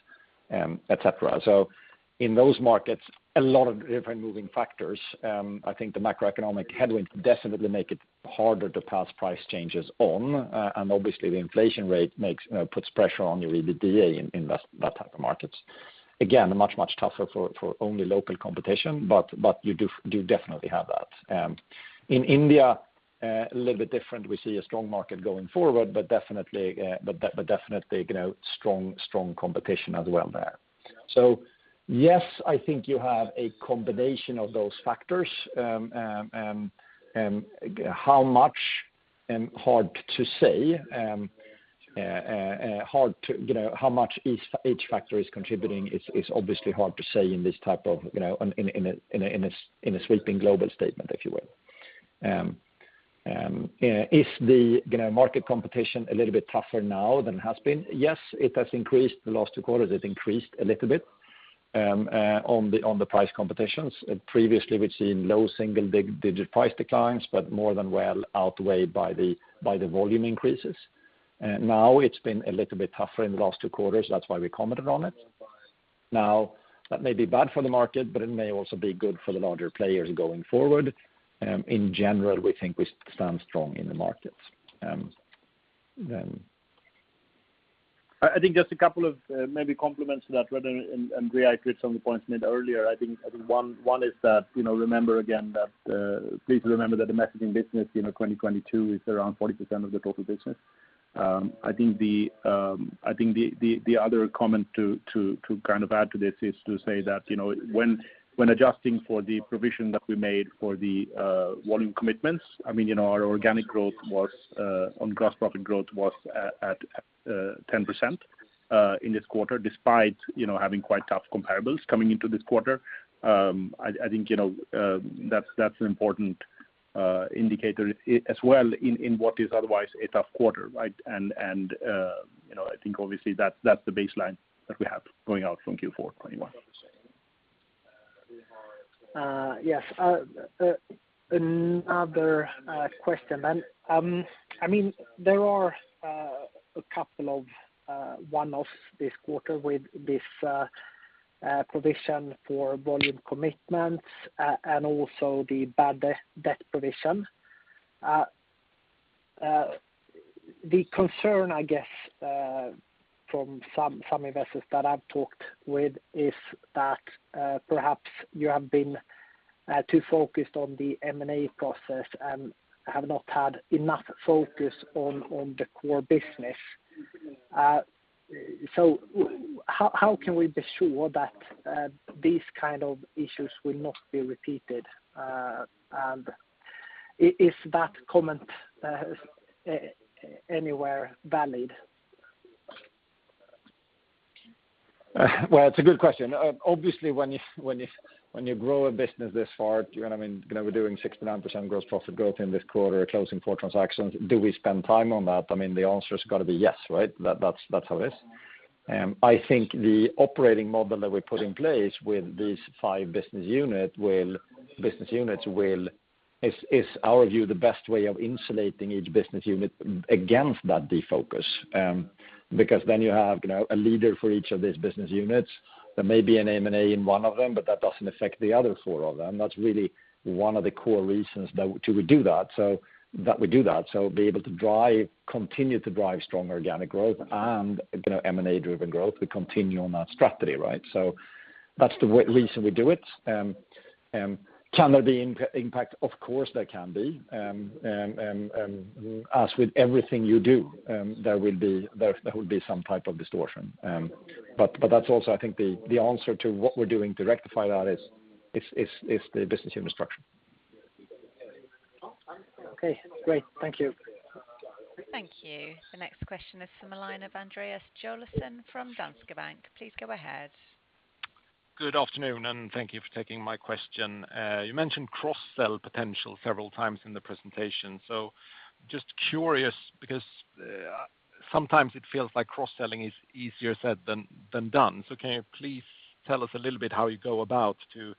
et cetera. In those markets, a lot of different moving factors. I think the macroeconomic headwinds definitely make it harder to pass price changes on. Obviously the inflation rate puts pressure on your EBITDA in that type of markets. Again, much tougher for only local competition, but you do definitely have that. In India, a little bit different. We see a strong market going forward, but definitely, you know, strong competition as well there. Yes, I think you have a combination of those factors. How much, hard to say, you know, how much each factor is contributing is obviously hard to say in this type of, you know, in a sweeping global statement, if you will. Is the, you know, market competition a little bit tougher now than it has been? Yes, it has increased. The last two quarters, it increased a little bit on the price competitions. Previously, we've seen low single-digit price declines, but more than well outweighed by the volume increases. Now it's been a little bit tougher in the last two quarters. That's why we commented on it. Now, that may be bad for the market, but it may also be good for the larger players going forward. In general, we think we stand strong in the markets. I think just a couple of maybe comments to that, Andreas did some of the points made earlier. I think one is that, you know, remember again that, please remember that the messaging business, you know, 2022 is around 40% of the total business. I think the other comment to kind of add to this is to say that, you know, when adjusting for the provision that we made for the volume commitments, I mean, you know, our organic growth on gross profit growth was at 10% in this quarter despite, you know, having quite tough comparables coming into this quarter. I think, you know, that's an important indicator as well in what is otherwise a tough quarter, right? I think obviously that's the baseline that we have going out from Q4 2021. Yes. Another question. I mean, there are a couple of one-offs this quarter with this provision for volume commitments and also the bad debt provision. The concern, I guess, from some investors that I've talked with is that perhaps you have been Too focused on the M&A process and have not had enough focus on the core business. How can we be sure that these kind of issues will not be repeated? Is that comment anywhere valid? Well, it's a good question. Obviously, when you grow a business this far, you know what I mean, you know, we're doing 69% gross profit growth in this quarter, closing four transactions. Do we spend time on that? I mean, the answer has got to be yes, right? That's how it is. I think the operating model that we put in place with these five business units is our view, the best way of insulating each business unit against that defocus. Because then you have, you know, a leader for each of these business units. There may be an M&A in one of them, but that doesn't affect the other four of them. That's really one of the core reasons that we do that. Be able to continue to drive strong organic growth and, you know, M&A driven growth. We continue on that strategy, right? That's the reason we do it. Can there be impact? Of course, there can be. As with everything you do, there will be some type of distortion. But that's also, I think, the answer to what we're doing to rectify that is the business unit structure. Okay, great. Thank you. Thank you. The next question is from the line of Andreas Joelsson from Danske Bank. Please go ahead. Good afternoon, and thank you for taking my question. You mentioned cross-sell potential several times in the presentation. Just curious because, sometimes it feels like cross-selling is easier said than done. Can you please tell us a little bit how you go about to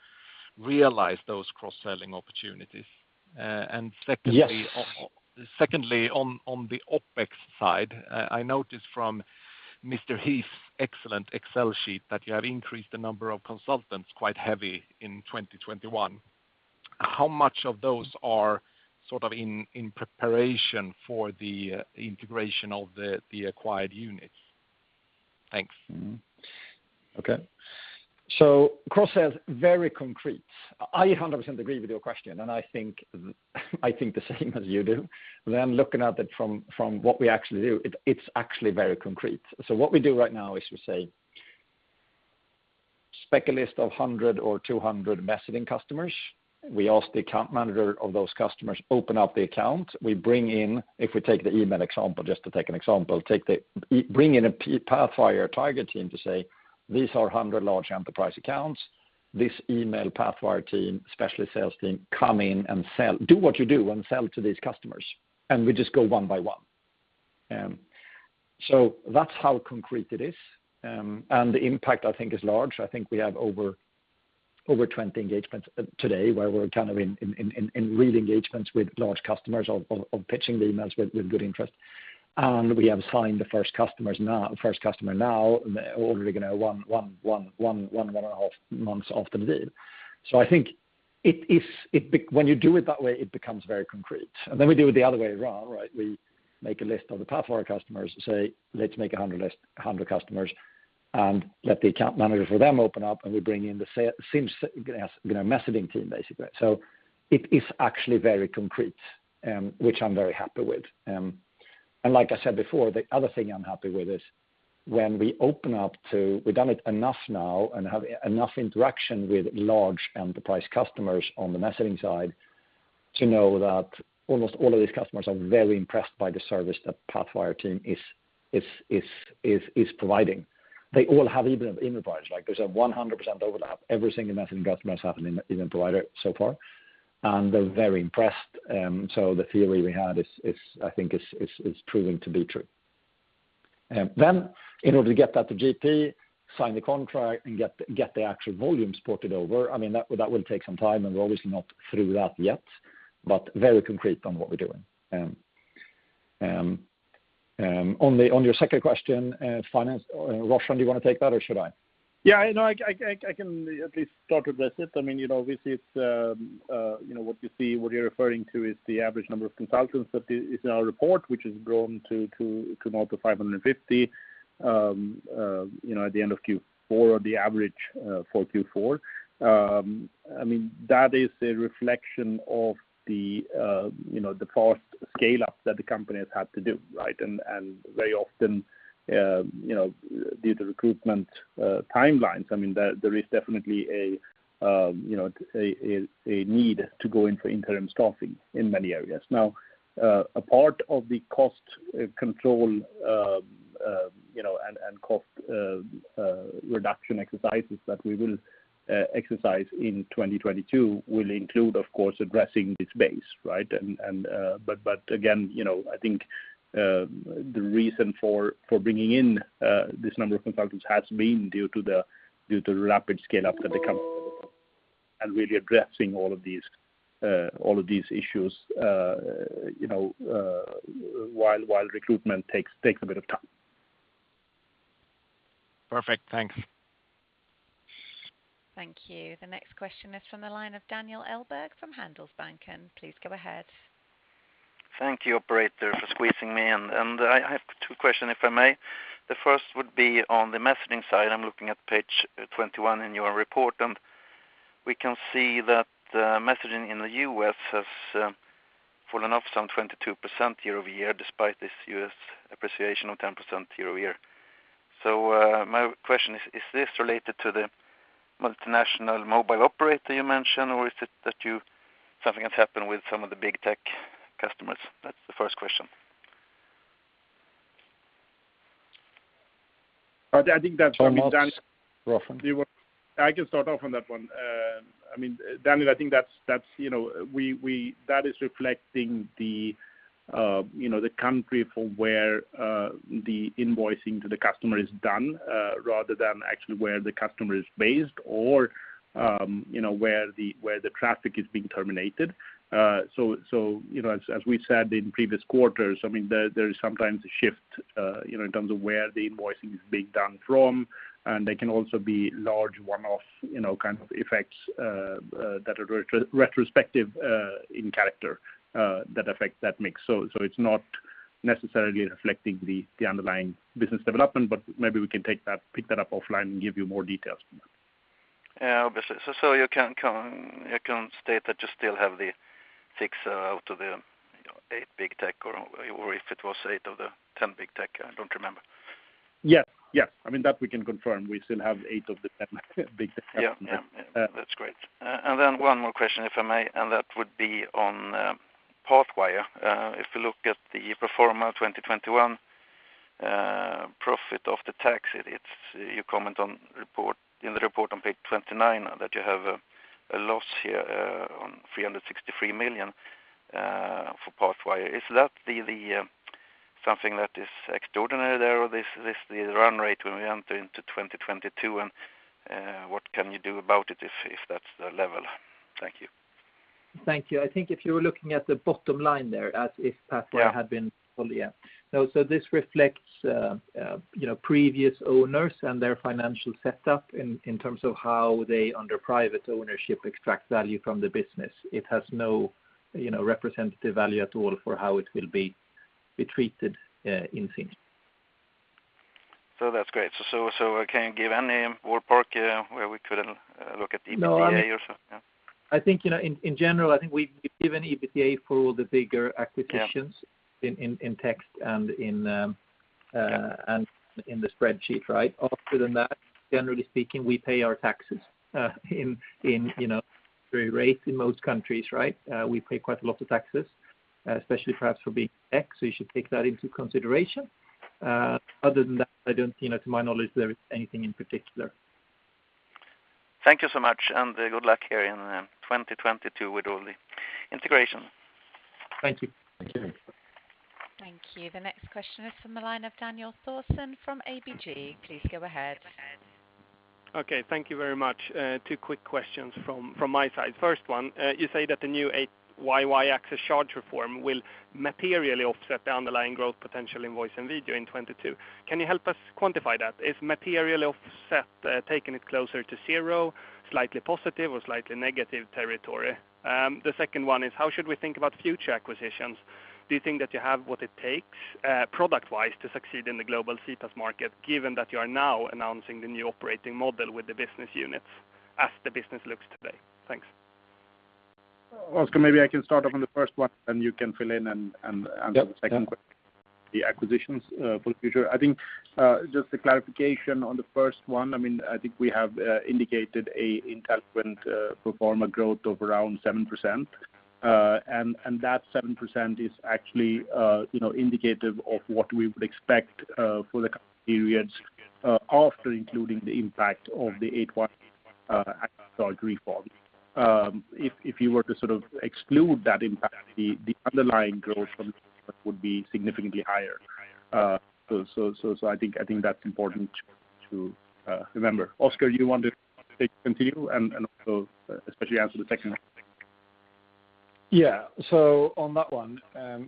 realize those cross-selling opportunities? Secondly- Yes. Secondly, on the OpEx side, I noticed from Mr. Heath's excellent Excel sheet that you have increased the number of consultants quite heavy in 2021. How much of those are sort of in preparation for the integration of the acquired units? Thanks. Okay. Cross-sell is very concrete. I 100% agree with your question, and I think the same as you do. Looking at it from what we actually do, it's actually very concrete. What we do right now is we say, pick a list of 100 or 200 messaging customers. We ask the account manager of those customers to open up the account. We bring in, if we take the email example, just to take an example, bring in a Pathwire target team to say, these are 100 large enterprise accounts. This email Pathwire team, specialist sales team, come in and sell. Do what you do and sell to these customers. We just go one by one. That's how concrete it is. The impact, I think, is large. I think we have over 20 engagements today where we're kind of in real engagements with large customers of pitching the emails with good interest. We have signed the first customer now, already, you know, one and a half months after the deal. I think it is when you do it that way, it becomes very concrete. Then we do it the other way around, right? We make a list of the Pathwire customers, say, let's make a 100 list, a 100 customers, and let the account manager for them open up, and we bring in the same, you know, messaging team, basically. It is actually very concrete, which I'm very happy with. Like I said before, the other thing I'm happy with is when we open up to... We've done it enough now and have enough interaction with large enterprise customers on the messaging side to know that almost all of these customers are very impressed by the service that Pathwire team is providing. They all have even providers. Like, there's a 100% overlap. Every single messaging customer has an even provider so far, and they're very impressed. The theory we had is, I think, proving to be true. In order to get that to GP, sign the contract and get the actual volumes ported over, I mean, that will take some time, and we're obviously not through that yet, but very concrete on what we're doing. On your second question, finance, Roshan, do you want to take that or should I? Yeah, no, I can at least start to address it. I mean, you know, this is what you see, what you're referring to is the average number of consultants that is in our report, which has grown to now to 550, you know, at the end of Q4 or the average for Q4. I mean, that is a reflection of the, you know, the fast scale-up that the company has had to do, right? Very often, you know, due to recruitment timelines, I mean, there is definitely a, you know, a need to go in for interim staffing in many areas. Now, a part of the cost control, you know, and cost reduction exercises that we will exercise in 2022 will include, of course, addressing this base, right? Again, you know, I think the reason for bringing in this number of consultants has been due to the rapid scale-up that the company and really addressing all of these issues, you know, while recruitment takes a bit of time. Perfect. Thanks. Thank you. The next question is from the line of Daniel Djurberg from Handelsbanken. Please go ahead. Thank you operator for squeezing me in. I have two questions, if I may. The first would be on the messaging side. I'm looking at page 21 in your report, and we can see that messaging in the U.S. has fallen off some 22% year-over-year, despite this U.S. appreciation of 10% year-over-year. My question is this related to the multinational mobile operator you mentioned or is it that something has happened with some of the big tech customers? That's the first question. I think that's- Thomas? Roshan. I can start off on that one. I mean, Daniel, I think that's, you know, That is reflecting the, you know, the country from where the invoicing to the customer is done rather than actually where the customer is based or, you know, where the traffic is being terminated. so, you know, as we said in previous quarters, I mean, there is sometimes a shift, you know, in terms of where the invoicing is being done from, and they can also be large one-off, you know, kind of effects that are retrospective in character that affect that mix. it's not necessarily reflecting the underlying business development, but maybe we can pick that up offline and give you more details on that. You can state that you still have the six out of the 8 big tech or if it was eight of the 10 big tech. I don't remember. Yes. Yes. I mean, that we can confirm. We still have eight of the 10 big tech. Yeah. Yeah. Yeah. Uh. That's great. One more question, if I may, and that would be on Pathwire. If you look at the pro forma 2021 profit after tax, it's as you comment in the report on page 29 that you have a loss here on 363 million for Pathwire. Is that something that is extraordinary there or is this the run rate when we enter into 2022, and what can you do about it if that's the level? Thank you. Thank you. I think if you were looking at the bottom line there as if Pathwire. Yeah. No. This reflects, you know, previous owners and their financial setup in terms of how they, under private ownership, extract value from the business. It has no, you know, representative value at all for how it will be treated in Sinch. That's great. Can you give any ballpark where we could look at the EPS or so? Yeah. No, I think, you know, in general, I think we've given EPS for the bigger acquisitions. Yeah. in text and in Yeah. In the spreadsheet, right? Other than that, generally speaking, we pay our taxes at a very low rate in most countries, right? We pay quite a lot of taxes, especially perhaps for being X, so you should take that into consideration. Other than that, I don't, you know, to my knowledge, there isn't anything in particular. Thank you so much, and good luck here in 2022 with all the integration. Thank you. Thank you. Thank you. The next question is from the line of Daniel Thorsson from ABG. Please go ahead. Okay. Thank you very much. Two quick questions from my side. First one, you say that the new 8YY Access Charge Reform will materially offset the underlying growth potential in voice and video in 2022. Can you help us quantify that? Is material offset taking it closer to zero, slightly positive or slightly negative territory? The second one is how should we think about future acquisitions? Do you think that you have what it takes, product wise to succeed in the global CPaaS market, given that you are now announcing the new operating model with the business units as the business looks today? Thanks. Oscar, maybe I can start off on the first one, and you can fill in and answer the second question. Yeah. The acquisitions for the future. I think just a clarification on the first one. I mean, I think we have indicated an intelligent pro forma growth of around 7%. That 7% is actually, you know, indicative of what we would expect for the periods after including the impact of the 8YY Access Charge Reform. If you were to sort of exclude that impact, the underlying growth would be significantly higher. I think that's important to remember. Oscar, do you want to take it from here and also especially answer the second one? Yeah. On that one,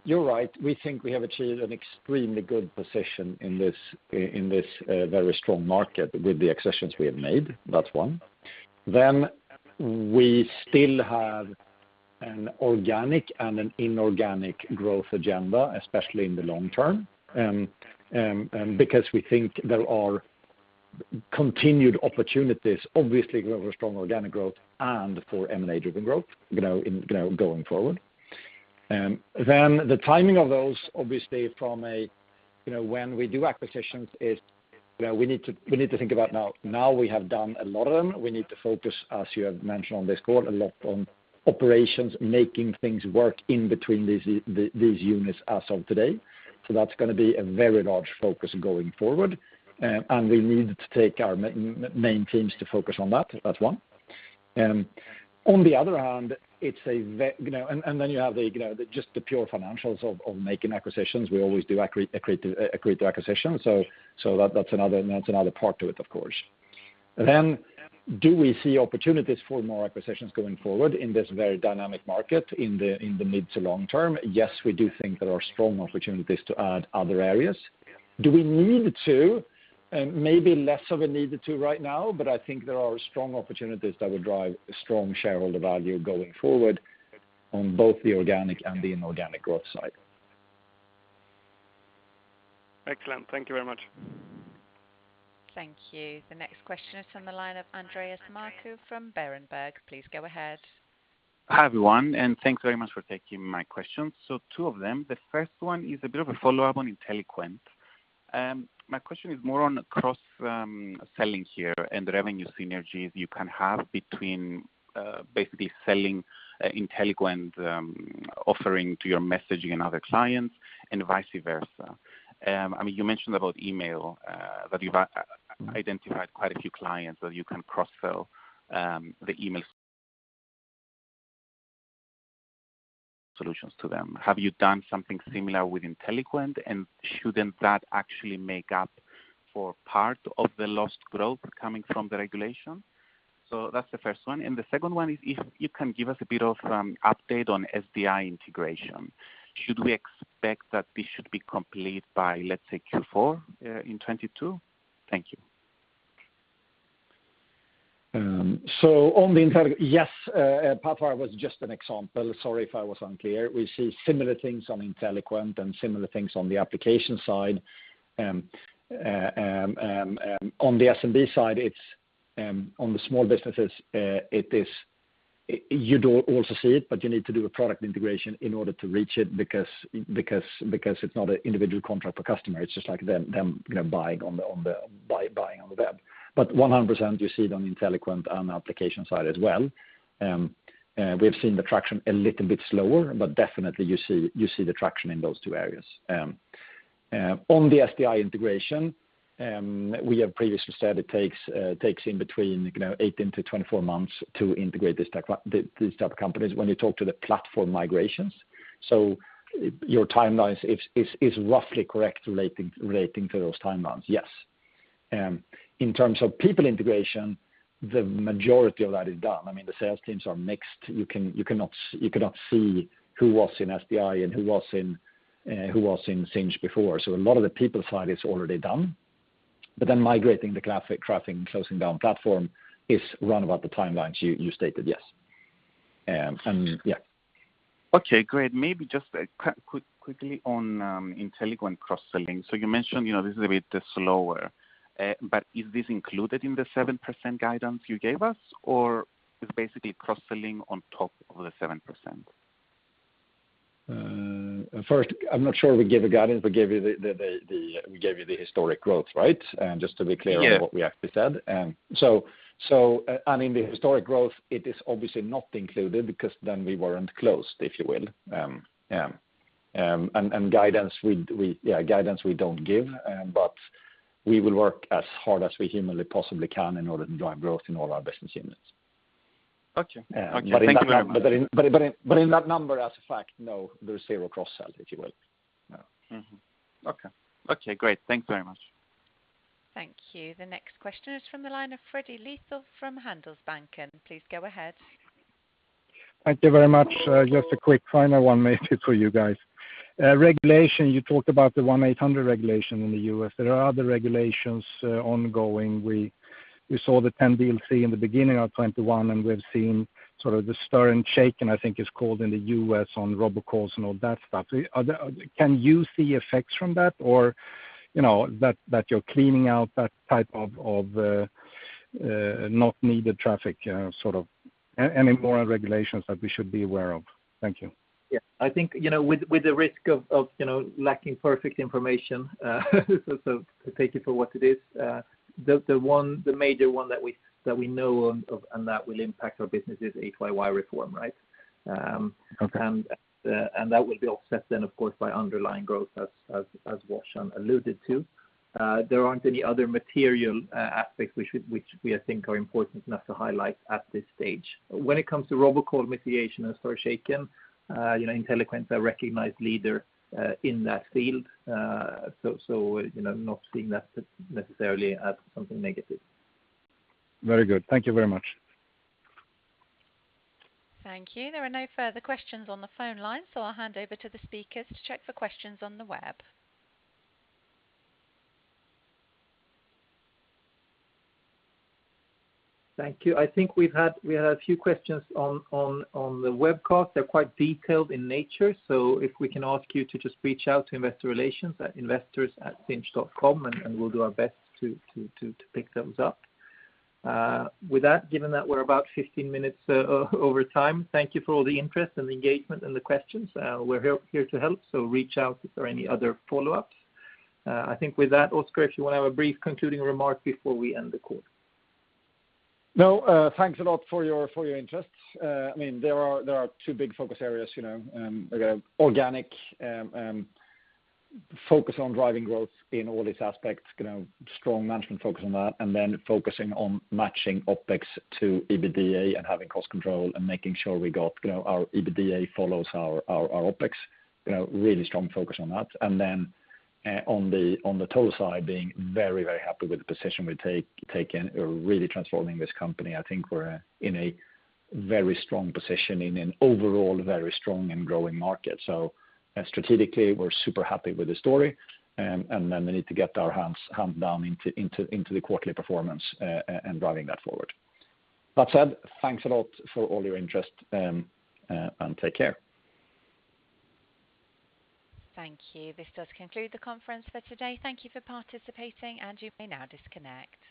you're right. We think we have achieved an extremely good position in this very strong market with the acquisitions we have made. That's one. We still have an organic and an inorganic growth agenda, especially in the long term, because we think there are continued opportunities, obviously for strong organic growth and for M&A-driven growth, you know, going forward. The timing of those, obviously from a, you know, when we do acquisitions is, you know, we need to think about now. We have done a lot of them. We need to focus, as you have mentioned on this call, a lot on operations, making things work in between these units as of today. That's gonna be a very large focus going forward. We need to take our main teams to focus on that. That's one. On the other hand, it's a you know, and then you have the you know, the pure financials of making acquisitions. We always do acquisition. So that's another part to it, of course. Do we see opportunities for more acquisitions going forward in this very dynamic market in the mid to long term? Yes, we do think there are strong opportunities to add other areas. Do we need to? Maybe less of a need to right now, but I think there are strong opportunities that will drive a strong shareholder value going forward on both the organic and the inorganic growth side. Excellent. Thank you very much. Thank you. The next question is from the line of Andreas Markou from Berenberg. Please go ahead. Hi, everyone, and thanks very much for taking my questions. Two of them. The first one is a bit of a follow-up on Inteliquent. My question is more on cross selling here and the revenue synergies you can have between basically selling Inteliquent offering to your messaging and other clients and vice versa. I mean, you mentioned about email that you've identified quite a few clients that you can cross-sell the email solutions to them. Have you done something similar with Inteliquent? And shouldn't that actually make up for part of the lost growth coming from the regulation? That's the first one. The second one is if you can give us a bit of update on SDI integration. Should we expect that this should be complete by, let's say, Q4 in 2022? Thank you. On the Inteliquent, yes, Pathwire was just an example. Sorry if I was unclear. We see similar things on Inteliquent and similar things on the application side. On the SMB side, it's on the small businesses. You do also see it, but you need to do a product integration in order to reach it because it's not an individual contract per customer. It's just like them, you know, buying on the web. 100% you see it on Inteliquent on the application side as well. We've seen the traction a little bit slower, but definitely you see the traction in those two areas. On the SDI integration, we have previously said it takes in between, you know, 18-24 months to integrate these type of companies when you talk to the platform migrations. Your timelines is roughly correct relating to those timelines, yes. In terms of people integration, the majority of that is done. I mean, the sales teams are mixed. You cannot see who was in SDI and who was in Sinch before. So a lot of the people side is already done. Then migrating the traffic and closing down platform is around about the timelines you stated, yes. Yeah. Okay, great. Maybe just quickly on Inteliquent cross-selling. You mentioned this is a bit slower, but is this included in the 7% guidance you gave us, or is basically cross-selling on top of the 7%? First, I'm not sure we gave a guidance. We gave you the historic growth, right? Just to be clear on what we actually said. Yeah. I mean, the historic growth, it is obviously not included because then we weren't closed, if you will. Guidance we don't give, but we will work as hard as we humanly possibly can in order to drive growth in all our business units. Okay. Yeah. Okay. Thank you very much. In that number as a fact, no, there's zero cross-sell, if you will. Yeah. Mm-hmm. Okay. Okay, great. Thank you very much. Thank you. The next question is from the line of Fredrik Lithell from Handelsbanken. Please go ahead. Thank you very much. Just a quick final one maybe for you guys. Regulation, you talked about the 800 regulation in the U.S. There are other regulations ongoing. We saw the 10DLC in the beginning of 2021, and we've seen sort of the STIR/SHAKEN, and I think it's called in the U.S. on robocalls and all that stuff. Can you see effects from that? Or, you know, that you're cleaning out that type of not needed traffic, sort of any more regulations that we should be aware of? Thank you. Yeah. I think, you know, with the risk of, you know, lacking perfect information, take it for what it is. The major one that we know of and that will impact our business is 8YY reform, right? Okay. That will be offset then, of course, by underlying growth as Roshan alluded to. There aren't any other material aspects which we think are important enough to highlight at this stage. When it comes to robocall mitigation and STIR/SHAKEN, you know, Inteliquent's a recognized leader in that field. You know, not seeing that necessarily as something negative. Very good. Thank you very much. Thank you. There are no further questions on the phone line, so I'll hand over to the speakers to check for questions on the web. Thank you. I think we've had a few questions on the webcast. They're quite detailed in nature. If we can ask you to just reach out to Investor Relations at investors@sinch.com, and we'll do our best to pick those up. With that, given that we're about 15 minutes over time, thank you for all the interest and engagement and the questions. We're here to help, reach out if there are any other follow-ups. I think with that, Oscar, if you wanna have a brief concluding remark before we end the call. No, thanks a lot for your interest. I mean, there are two big focus areas, you know, again, organic focus on driving growth in all these aspects, you know, strong management focus on that, and then focusing on matching OpEx to EBITDA and having cost control and making sure we got, you know, our EBITDA follows our OpEx. You know, really strong focus on that. And then, on the total side, being very happy with the position we've taken. We're really transforming this company. I think we're in a very strong position in an overall very strong and growing market. Strategically, we're super happy with the story, and then we need to get our hands down into the quarterly performance and driving that forward. That said, thanks a lot for all your interest, and take care. Thank you. This does conclude the conference for today. Thank you for participating, and you may now disconnect.